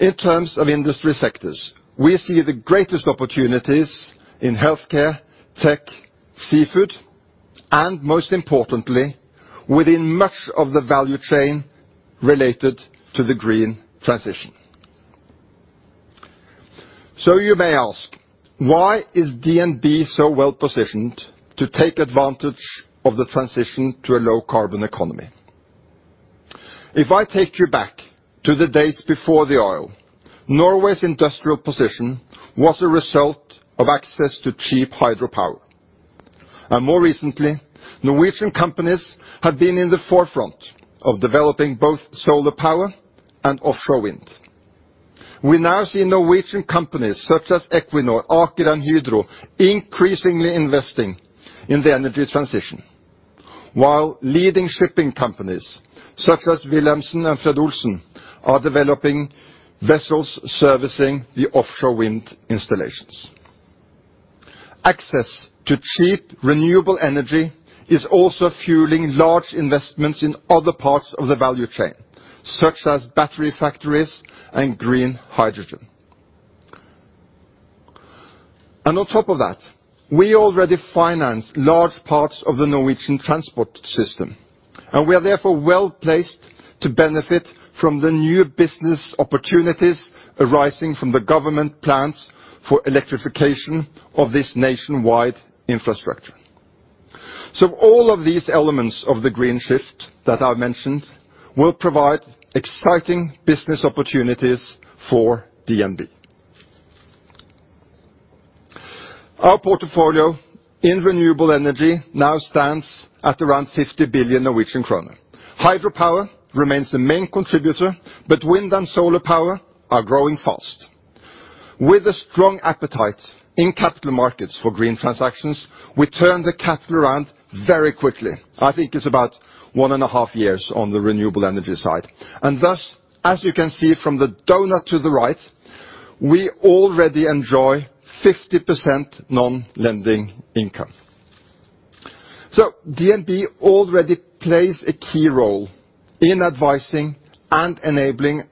In terms of industry sectors, we see the greatest opportunities in healthcare, tech, seafood, and most importantly, within much of the value chain related to the green transition. You may ask, why is DNB so well positioned to take advantage of the transition to a low-carbon economy? If I take you back to the days before the oil, Norway's industrial position was a result of access to cheap hydropower. More recently, Norwegian companies have been in the forefront of developing both solar power and offshore wind. We now see Norwegian companies such as Equinor, Aker and Hydro increasingly investing in the energy transition, while leading shipping companies such as Wilhelmsen and Fred. Olsen are developing vessels servicing the offshore wind installations. Access to cheap renewable energy is also fueling large investments in other parts of the value chain, such as battery factories and green hydrogen. On top of that, we already finance large parts of the Norwegian transport system, and we are therefore well-placed to benefit from the new business opportunities arising from the government plans for electrification of this nationwide infrastructure. All of these elements of the green shift that I mentioned will provide exciting business opportunities for DNB. Our portfolio in renewable energy now stands at around 50 billion Norwegian kroner. Hydropower remains the main contributor, but wind and solar power are growing fast. With a strong appetite in capital markets for green transactions, we turn the capital around very quickly. I think it's about 1.5 years on the renewable energy side. Thus, as you can see from the donut to the right, we already enjoy 50% non-lending income. DNB already plays a key role in advising and enabling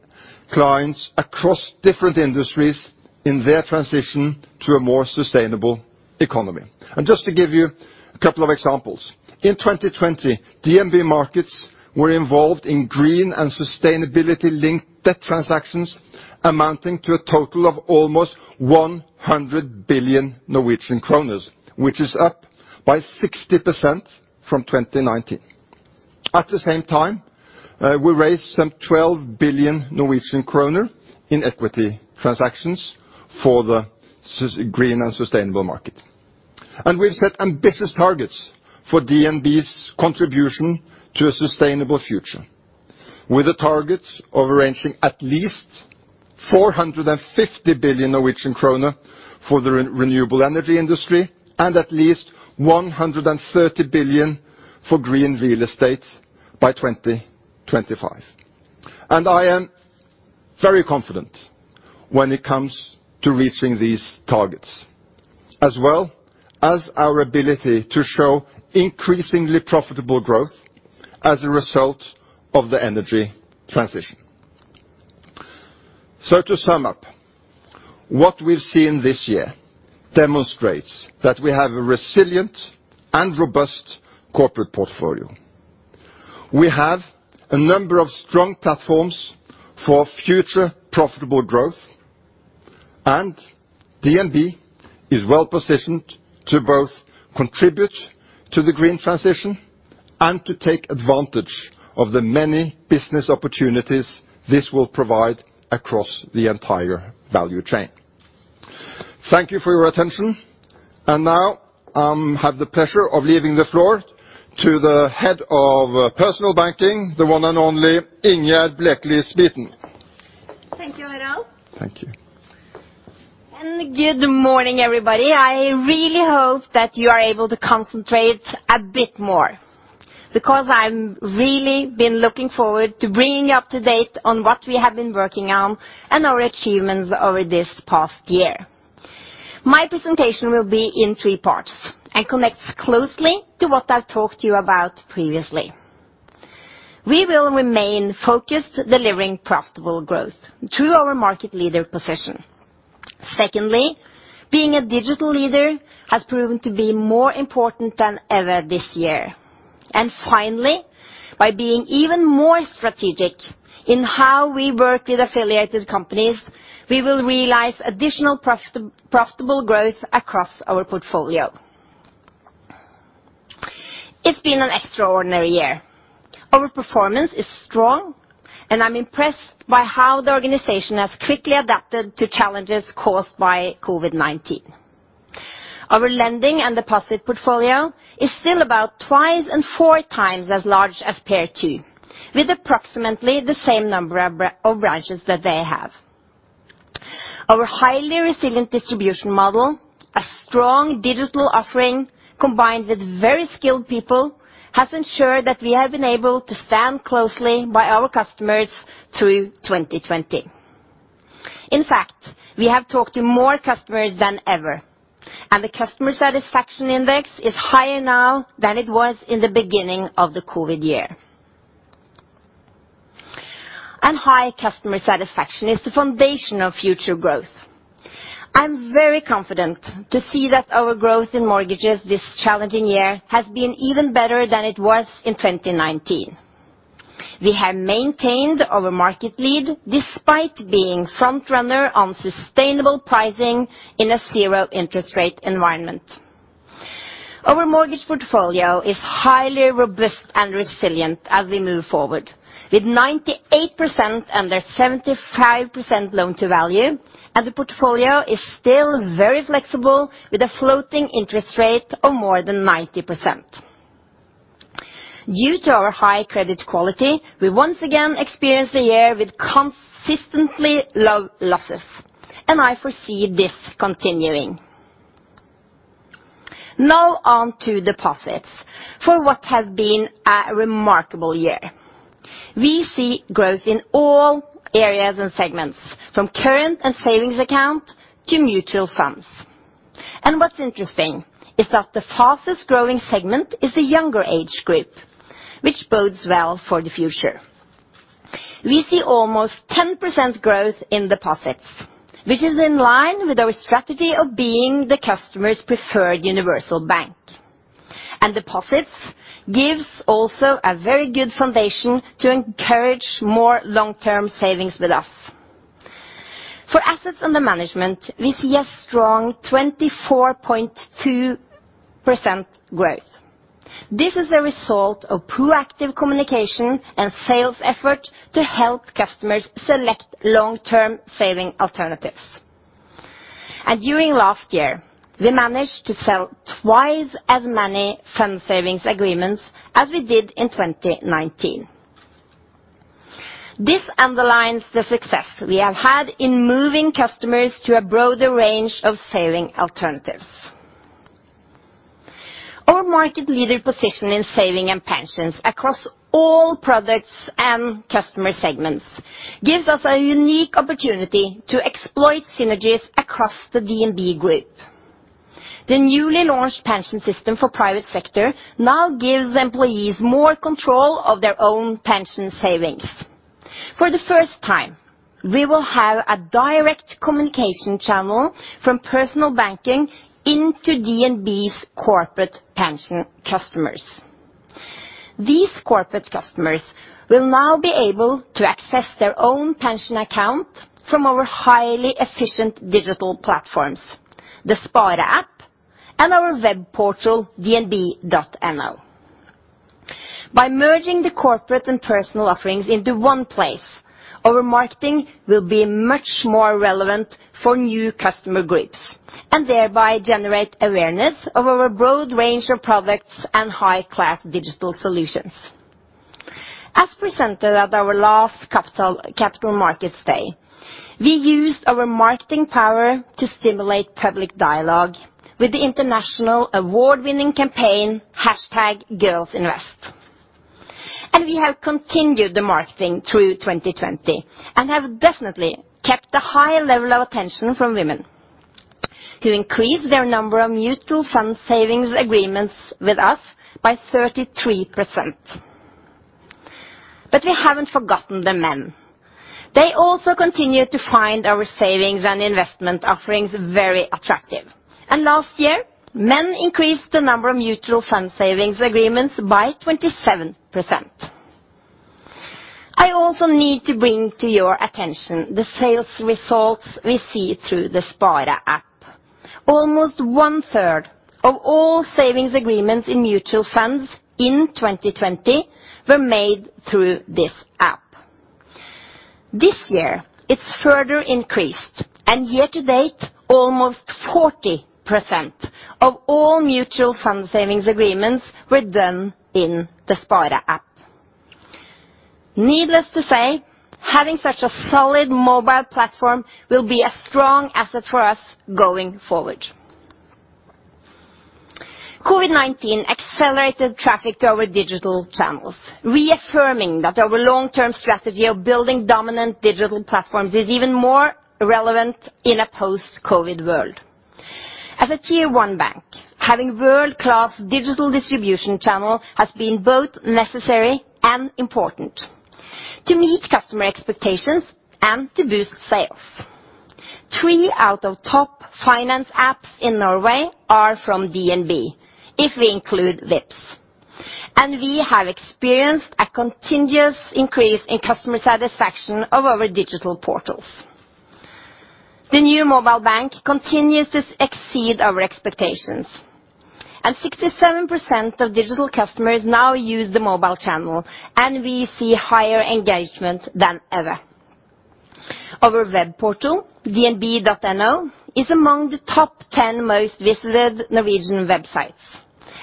clients across different industries in their transition to a more sustainable economy. Just to give you a couple of examples. In 2020, DNB Markets were involved in green and sustainability-linked debt transactions amounting to a total of almost 100 billion Norwegian kroner, which is up by 60% from 2019. At the same time, we raised some 12 billion Norwegian kroner in equity transactions for the green and sustainable market. We've set ambitious targets for DNB's contribution to a sustainable future with a target of arranging at least 450 billion Norwegian krone for the renewable energy industry and at least 130 billion for green real estate by 2025. I am very confident when it comes to reaching these targets, as well as our ability to show increasingly profitable growth as a result of the energy transition. To sum up, what we've seen this year demonstrates that we have a resilient and robust corporate portfolio. We have a number of strong platforms for future profitable growth, and DNB is well positioned to both contribute to the green transition and to take advantage of the many business opportunities this will provide across the entire value chain. Thank you for your attention. Now, I have the pleasure of leaving the floor to the head of Personal Banking, the one and only, Ingjerd Blekeli Spiten. Thank you, Harald. Thank you. Good morning, everybody. I really hope that you are able to concentrate a bit more, because I'm really been looking forward to bringing you up to date on what we have been working on and our achievements over this past year. My presentation will be in three parts and connects closely to what I've talked to you about previously. We will remain focused delivering profitable growth through our market leader position. Secondly, being a digital leader has proven to be more important than ever this year. Finally, by being even more strategic in how we work with affiliated companies, we will realize additional profitable growth across our portfolio. It's been an extraordinary year. Our performance is strong, and I'm impressed by how the organization has quickly adapted to challenges caused by COVID-19. Our lending and deposit portfolio is still about twice and four times as large as peer two, with approximately the same number of branches that they have. Our highly resilient distribution model, a strong digital offering combined with very skilled people, has ensured that we have been able to stand closely by our customers through 2020. In fact, we have talked to more customers than ever, the customer satisfaction index is higher now than it was in the beginning of the COVID-19 year. High customer satisfaction is the foundation of future growth. I'm very confident to see that our growth in mortgages this challenging year has been even better than it was in 2019. We have maintained our market lead despite being frontrunner on sustainable pricing in a zero interest rate environment. Our mortgage portfolio is highly robust and resilient as we move forward. With 98% under 75% loan-to-value, and the portfolio is still very flexible, with a floating interest rate of more than 90%. Due to our high credit quality, we once again experienced a year with consistently low losses. I foresee this continuing. Now on to deposits for what has been a remarkable year. We see growth in all areas and segments, from current and savings account to mutual funds. What's interesting is that the fastest growing segment is the younger age group, which bodes well for the future. We see almost 10% growth in deposits, which is in line with our strategy of being the customer's preferred universal bank. Deposits gives also a very good foundation to encourage more long-term savings with us. For assets under management, we see a strong 24.2% growth. This is a result of proactive communication and sales effort to help customers select long-term saving alternatives. During last year, we managed to sell twice as many fund savings agreements as we did in 2019. This underlines the success we have had in moving customers to a broader range of saving alternatives. Our market leader position in saving and pensions across all products and customer segments gives us a unique opportunity to exploit synergies across the DNB Group. The newly launched pension system for private sector now gives employees more control of their own pension savings. For the first time, we will have a direct communication channel from personal banking into DNB's corporate pension customers. These corporate customers will now be able to access their own pension account from our highly efficient digital platforms, the Spare app and our web portal, dnb.no. By merging the corporate and personal offerings into one place, our marketing will be much more relevant for new customer groups, and thereby generate awareness of our broad range of products and high-class digital solutions. As presented at our last Capital Markets Day, we used our marketing power to stimulate public dialogue with the international award-winning campaign, Girls Invest. We have continued the marketing through 2020, and have definitely kept a high level of attention from women, who increased their number of mutual fund savings agreements with us by 33%. We haven't forgotten the men. They also continue to find our savings and investment offerings very attractive, and last year, men increased the number of mutual fund savings agreements by 27%. I also need to bring to your attention the sales results we see through the Spare app. Almost one third of all savings agreements in mutual funds in 2020 were made through this app. This year, it's further increased. Year to date, almost 40% of all mutual fund savings agreements were done in the Spare app. Needless to say, having such a solid mobile platform will be a strong asset for us going forward. COVID-19 accelerated traffic to our digital channels, reaffirming that our long-term strategy of building dominant digital platforms is even more relevant in a post-COVID world. As a Tier 1 bank, having world-class digital distribution channel has been both necessary and important to meet customer expectations and to boost sales. Three out of the top finance apps in Norway are from DNB, if we include Vipps. We have experienced a continuous increase in customer satisfaction of our digital portals. The new mobile bank continues to exceed our expectations, and 67% of digital customers now use the mobile channel, and we see higher engagement than ever. Our web portal, dnb.no, is among the top 10 most visited Norwegian websites,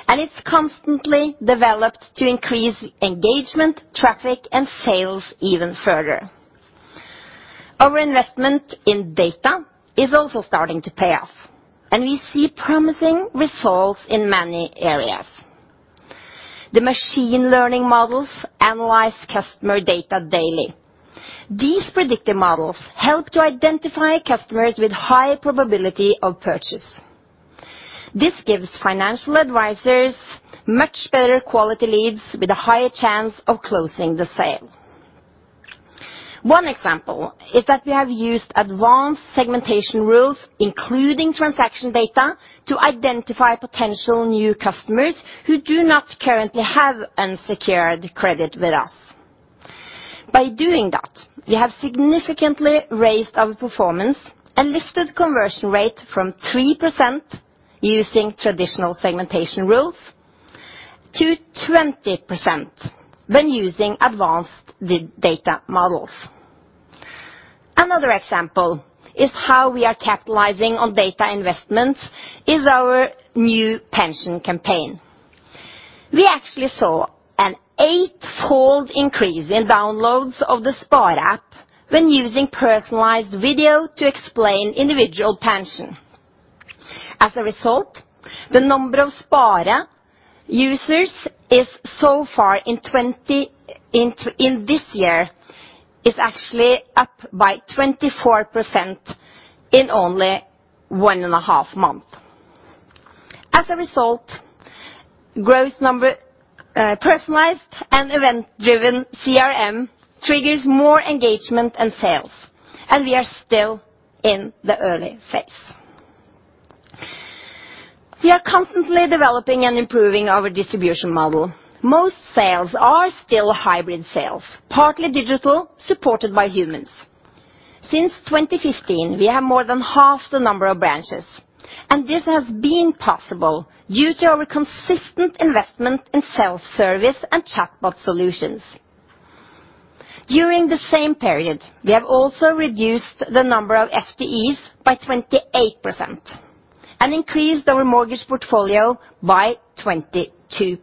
and it's constantly developed to increase engagement, traffic, and sales even further. Our investment in data is also starting to pay off, and we see promising results in many areas. The machine learning models analyze customer data daily. These predictive models help to identify customers with high probability of purchase. This gives financial advisors much better quality leads with a higher chance of closing the sale. One example is that we have used advanced segmentation rules, including transaction data, to identify potential new customers who do not currently have unsecured credit with us. By doing that, we have significantly raised our performance and lifted conversion rate from 3% using traditional segmentation rules to 20% when using advanced data models. Another example is how we are capitalizing on data investments is our new pension campaign. We actually saw an eightfold increase in downloads of the Spare app when using personalized video to explain individual pension. As a result, the number of Spare users so far in this year is actually up by 24% in only one and a half month. As a result, personalized and event-driven CRM triggers more engagement and sales, and we are still in the early phase. We are constantly developing and improving our distribution model. Most sales are still hybrid sales, partly digital, supported by humans. Since 2015, we have more than halved the number of branches, and this has been possible due to our consistent investment in self-service and chatbot solutions. During the same period, we have also reduced the number of FTEs by 28% and increased our mortgage portfolio by 22%.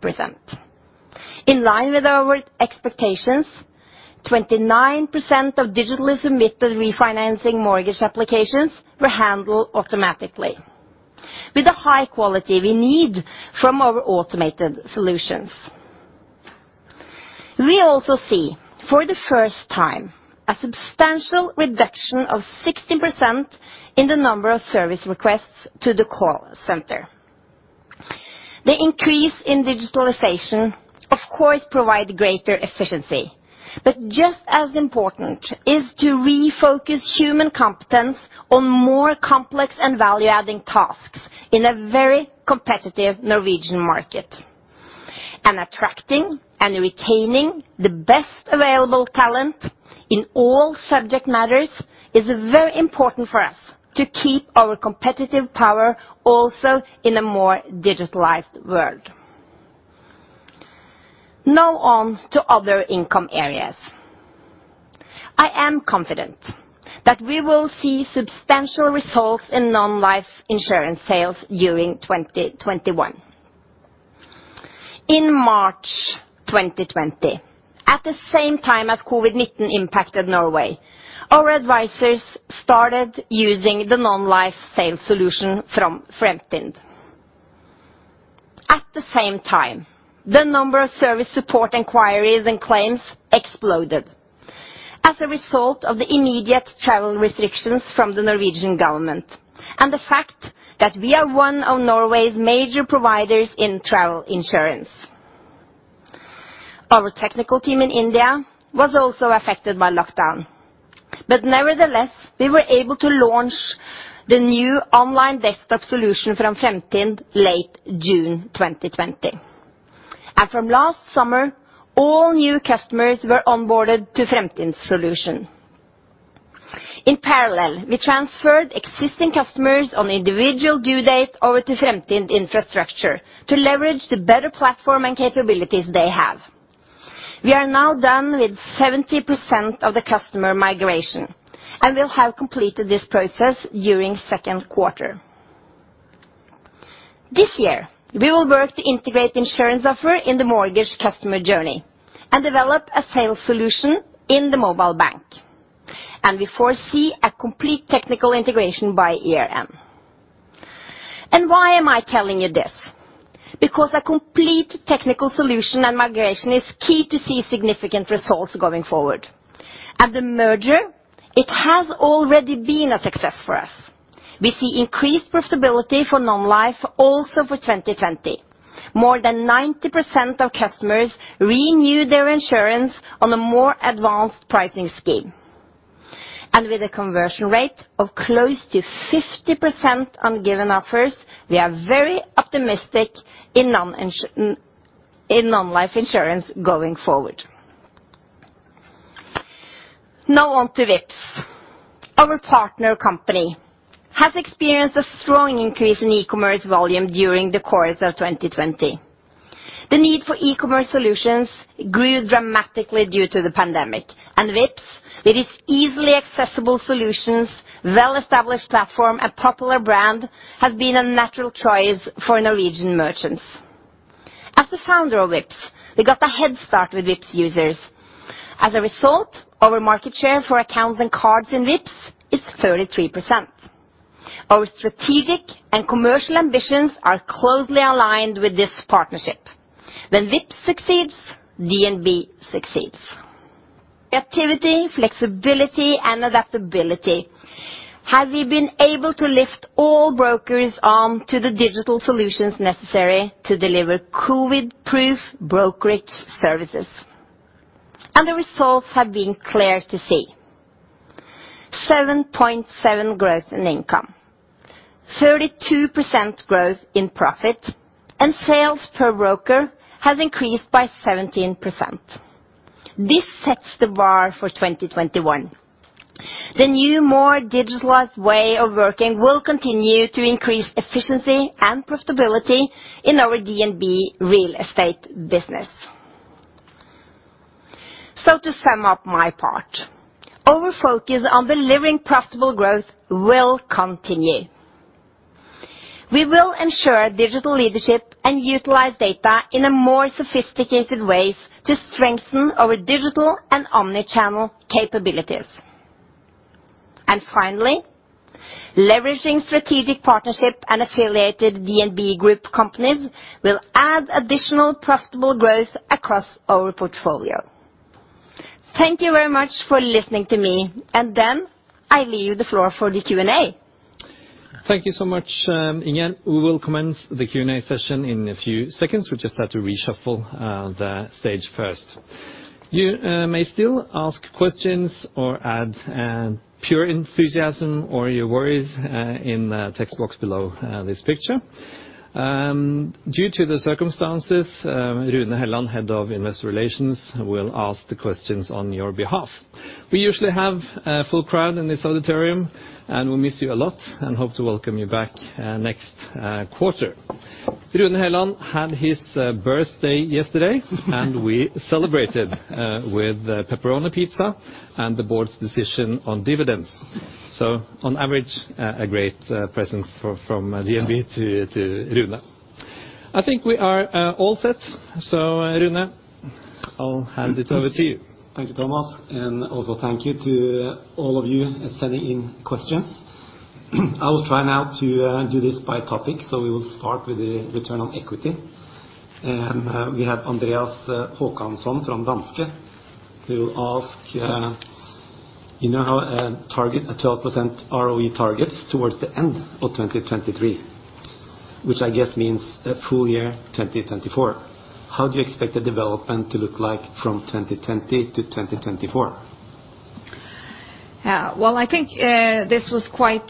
In line with our expectations, 29% of digitally submitted refinancing mortgage applications were handled automatically with the high quality we need from our automated solutions. We also see, for the first time, a substantial reduction of 16% in the number of service requests to the call center. The increase in digitalization, of course, provide greater efficiency, but just as important is to refocus human competence on more complex and value-adding tasks in a very competitive Norwegian market. Attracting and retaining the best available talent in all subject matters is very important for us to keep our competitive power also in a more digitalized world. On to other income areas. I am confident that we will see substantial results in non-life insurance sales during 2021. In March 2020, at the same time as COVID-19 impacted Norway, our advisors started using the non-life sales solution from Fremtind. At the same time, the number of service support inquiries and claims exploded as a result of the immediate travel restrictions from the Norwegian government. The fact that we are one of Norway's major providers in travel insurance. Our technical team in India was also affected by lockdown. Nevertheless, we were able to launch the new online desktop solution from Fremtind late June 2020. From last summer, all new customers were onboarded to Fremtind solution. In parallel, we transferred existing customers on individual due date over to Fremtind infrastructure to leverage the better platform and capabilities they have. We are now done with 70% of the customer migration and will have completed this process during second quarter. This year, we will work to integrate insurance offer in the mortgage customer journey and develop a sales solution in the mobile bank. We foresee a complete technical integration by year end. Why am I telling you this? A complete technical solution and migration is key to see significant results going forward. At the merger, it has already been a success for us. We see increased profitability for non-life also for 2020. More than 90% of customers renew their insurance on a more advanced pricing scheme. With a conversion rate of close to 50% on given offers, we are very optimistic in non-life insurance going forward. Now on to Vipps. Our partner company has experienced a strong increase in e-commerce volume during the course of 2020. The need for e-commerce solutions grew dramatically due to the pandemic, and Vipps, with its easily accessible solutions, well-established platform, and popular brand, has been a natural choice for Norwegian merchants. As the founder of Vipps, we got a head start with Vipps users. As a result, our market share for accounts and cards in Vipps is 33%. Our strategic and commercial ambitions are closely aligned with this partnership. When Vipps succeeds, DNB succeeds. Activity, flexibility, and adaptability, have we been able to lift all brokers onto the digital solutions necessary to deliver COVID proof brokerage services. The results have been clear to see. 7.7 growth in income, 32% growth in profit, and sales per broker has increased by 17%. This sets the bar for 2021. The new, more digitalized way of working will continue to increase efficiency and profitability in our DNB real estate business. To sum up my part, our focus on delivering profitable growth will continue. We will ensure digital leadership and utilize data in a more sophisticated way to strengthen our digital and omni-channel capabilities. Finally, leveraging strategic partnership and affiliated DNB Group companies will add additional profitable growth across our portfolio. Thank you very much for listening to me, and then I leave the floor for the Q&A. Thank you so much, again. We will commence the Q&A session in a few seconds. We just have to reshuffle the stage first. You may still ask questions or add pure enthusiasm or your worries in the text box below this picture. Due to the circumstances, Rune Helland, Head of Investor Relations, will ask the questions on your behalf. We usually have a full crowd in this auditorium, and we miss you a lot and hope to welcome you back next quarter. Rune Helland had his birthday yesterday, and we celebrated with pepperoni pizza and the board's decision on dividends. On average, a great present from DNB to Rune. I think we are all set. Rune, I'll hand it over to you. Thank you, Thomas, and also thank you to all of you sending in questions. I will try now to do this by topic. We will start with the return on equity. We have Andreas Håkansson from Danske, who will ask, you now have a 12% ROE targets towards the end of 2023, which I guess means a full year 2024. How do you expect the development to look like from 2020 to 2024? Well, I think this was quite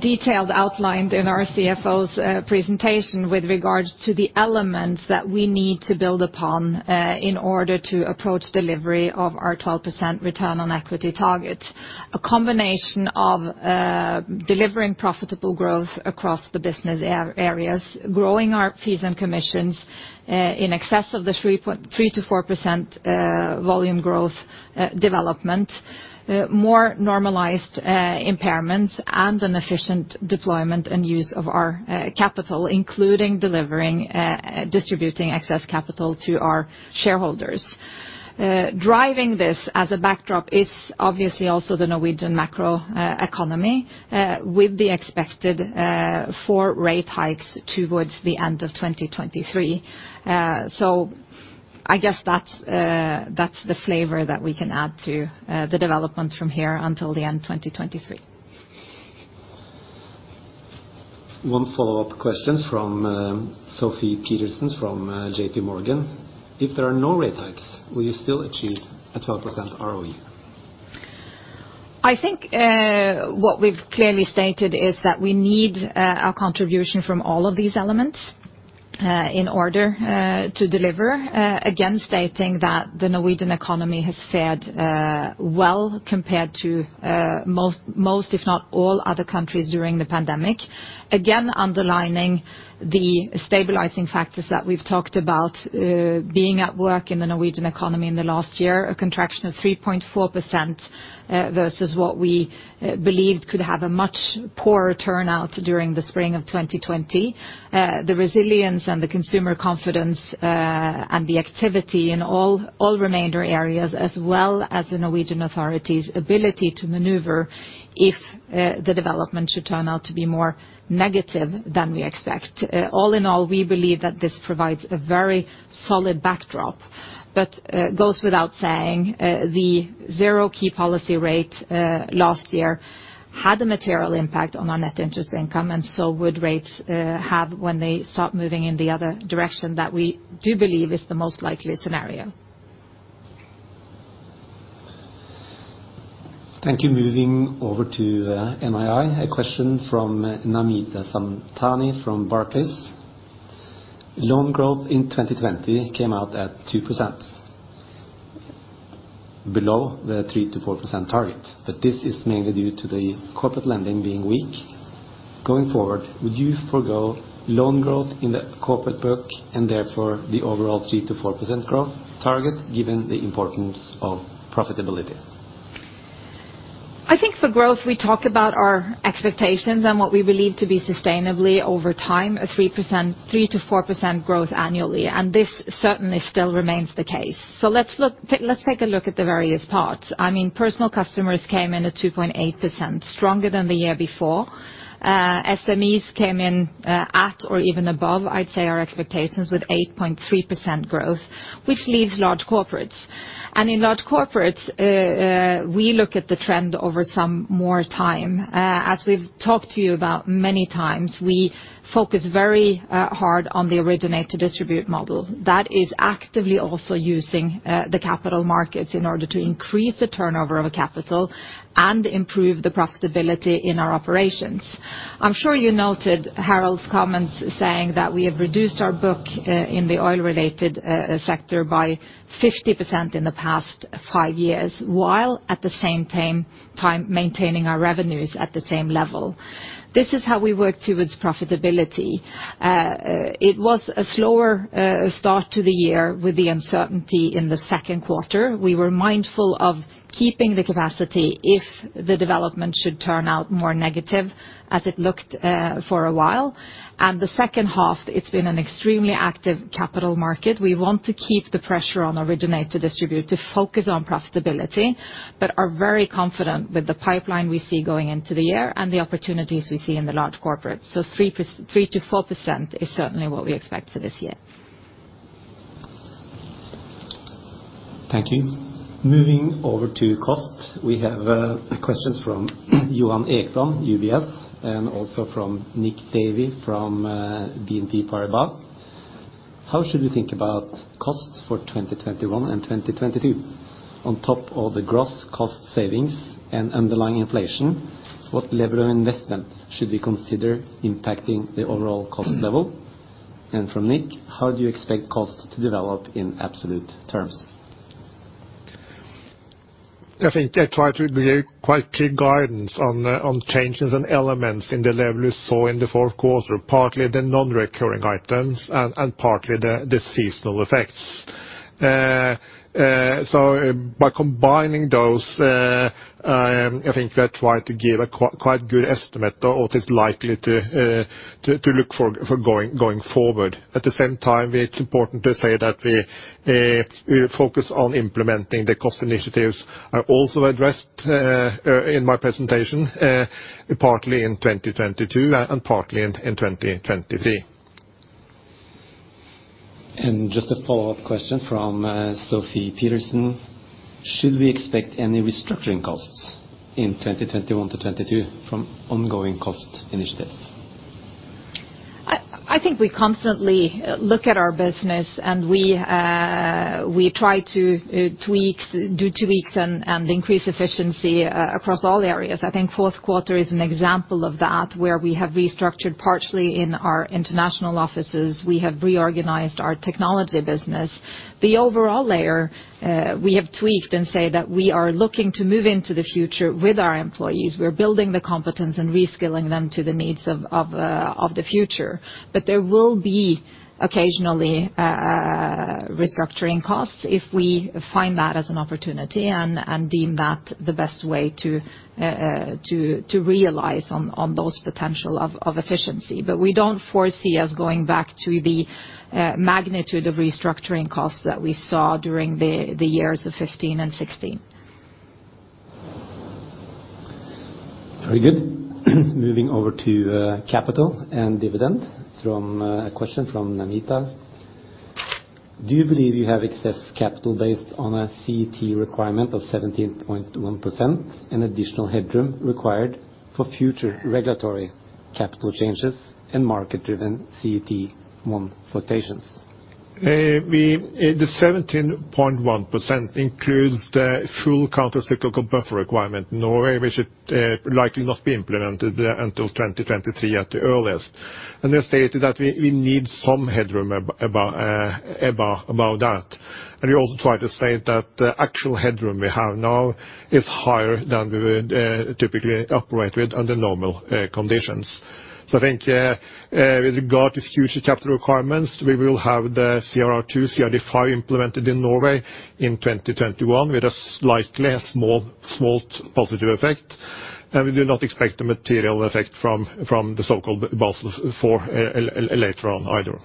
detailed outlined in our CFO's presentation with regards to the elements that we need to build upon in order to approach delivery of our 12% return on equity target. A combination of delivering profitable growth across the business areas, growing our fees and commissions in excess of the 3%-4% volume growth development, more normalized impairments, and an efficient deployment and use of our capital, including distributing excess capital to our shareholders. Driving this as a backdrop is obviously also the Norwegian macro economy, with the expected four rate hikes towards the end of 2023. I guess that's the flavor that we can add to the development from here until the end of 2023. One follow-up question from Sofie Peterzens from JPMorgan. If there are no rate hikes, will you still achieve a 12% ROE? I think what we've clearly stated is that we need a contribution from all of these elements in order to deliver, again, stating that the Norwegian economy has fared well compared to most, if not all, other countries during the pandemic. Again, underlining the stabilizing factors that we've talked about being at work in the Norwegian economy in the last year, a contraction of 3.4% versus what we believed could have a much poorer turnout during the spring of 2020. The resilience and the consumer confidence, and the activity in all remainder areas as well as the Norwegian authorities ability to maneuver if the development should turn out to be more negative than we expect. All in all, we believe that this provides a very solid backdrop. It goes without saying, the zero key policy rate last year Had a material impact on our net interest income and so would rates have when they start moving in the other direction that we do believe is the most likely scenario. Thank you. Moving over to NII, a question from Namita Samtani from Barclays. Loan growth in 2020 came out at 2%, below the 3%-4% target, but this is mainly due to the corporate lending being weak. Going forward, would you forego loan growth in the corporate book and therefore the overall 3%-4% growth target, given the importance of profitability? I think for growth, we talk about our expectations and what we believe to be sustainably over time, a 3%-4% growth annually. This certainly still remains the case. Let's take a look at the various parts. Personal customers came in at 2.8%, stronger than the year before. SMEs came in at or even above, I'd say, our expectations with 8.3% growth, which leaves large corporates. In large corporates, we look at the trend over some more time. As we've talked to you about many times, we focus very hard on the originate to distribute model. That is actively also using the capital markets in order to increase the turnover of a capital and improve the profitability in our operations. I'm sure you noted Harald's comments saying that we have reduced our book in the oil-related sector by 50% in the past five years, while at the same time maintaining our revenues at the same level. This is how we work towards profitability. It was a slower start to the year with the uncertainty in the second quarter. We were mindful of keeping the capacity if the development should turn out more negative, as it looked for a while. The second half, it's been an extremely active capital market. We want to keep the pressure on originate to distribute, to focus on profitability, but are very confident with the pipeline we see going into the year and the opportunities we see in the large corporates. 3% to 4% is certainly what we expect for this year. Thank you. Moving over to cost, we have a question from Johan Ekblom, UBS, and also from Nick Davey from BNP Paribas. How should we think about costs for 2021 and 2022? On top of the gross cost savings and underlying inflation, what level of investment should we consider impacting the overall cost level? From Nick, how do you expect costs to develop in absolute terms? I think I tried to give quite clear guidance on changes and elements in the level you saw in the fourth quarter, partly the non-recurring items and partly the seasonal effects. By combining those, I think we are trying to give a quite good estimate of what is likely to look for going forward. At the same time, it's important to say that we focus on implementing the cost initiatives I also addressed in my presentation, partly in 2022 and partly in 2023. Just a follow-up question from Sofie Peterzens. Should we expect any restructuring costs in 2021-2022 from ongoing cost initiatives? I think we constantly look at our business, and we try to do tweaks and increase efficiency across all areas. I think fourth quarter is an example of that, where we have restructured partially in our international offices. We have reorganized our technology business. The overall layer, we have tweaked and say that we are looking to move into the future with our employees. We're building the competence and reskilling them to the needs of the future. There will be occasionally restructuring costs if we find that as an opportunity and deem that the best way to realize on those potential of efficiency. We don't foresee us going back to the magnitude of restructuring costs that we saw during the years of 2015 and 2016. Very good. Moving over to capital and dividend, a question from Namita. Do you believe you have excess capital based on a CET1 requirement of 17.1% and additional headroom required for future regulatory capital changes and market-driven CET1 fluctuations? The 17.1% includes the full countercyclical buffer requirement in Norway, which should likely not be implemented until 2023 at the earliest. We stated that we need some headroom above that. We also try to state that the actual headroom we have now is higher than we would typically operate with under normal conditions. I think with regard to future capital requirements, we will have the CRR2, CRD5 implemented in Norway in 2021 with a slightly small positive effect. We do not expect a material effect from the so-called Basel IV later on either.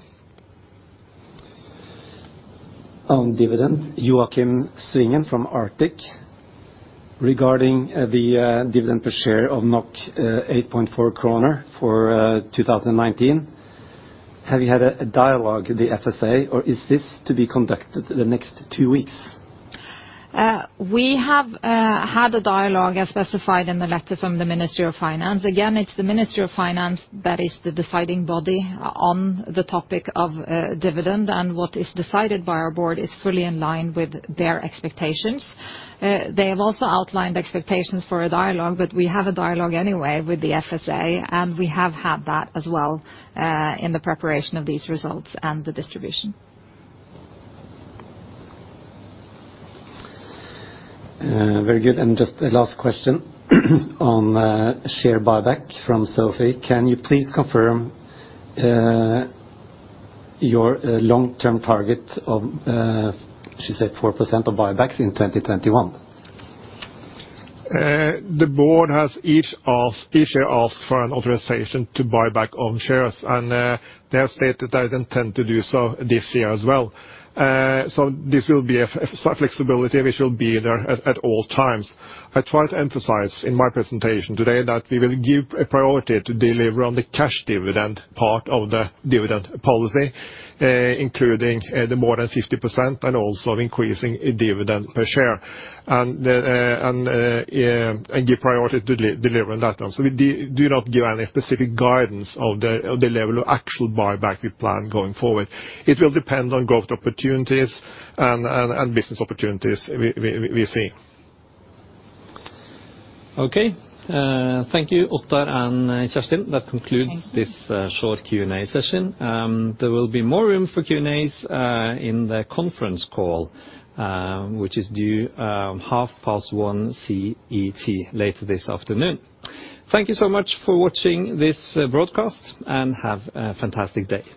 On dividend, Joakim Svingen from Arctic. Regarding the dividend per share of 8.4 kroner for 2019 Have you had a dialogue with the FSA, or is this to be conducted the next two weeks? We have had a dialogue as specified in the letter from the Ministry of Finance. Again, it's the Ministry of Finance that is the deciding body on the topic of dividend, and what is decided by our board is fully in line with their expectations. They have also outlined expectations for a dialogue, but we have a dialogue anyway with the FSA, and we have had that as well in the preparation of these results and the distribution. Very good. Just a last question on share buyback from Sofie. Can you please confirm your long-term target of, she said 4% of buybacks in 2021? The board has each year asked for an authorization to buy back own shares, and they have stated they intend to do so this year as well. This will be a flexibility which will be there at all times. I tried to emphasize in my presentation today that we will give a priority to deliver on the cash dividend part of the dividend policy, including the more than 50% and also increasing dividend per share, and give priority to delivering that. We do not give any specific guidance of the level of actual buyback we plan going forward. It will depend on growth opportunities and business opportunities we see. Okay. Thank you, Ottar and Kjerstin. Thank you. That concludes this short Q&A session. There will be more room for Q&As in the conference call, which is due 1:30 CET later this afternoon. Thank you so much for watching this broadcast, and have a fantastic day.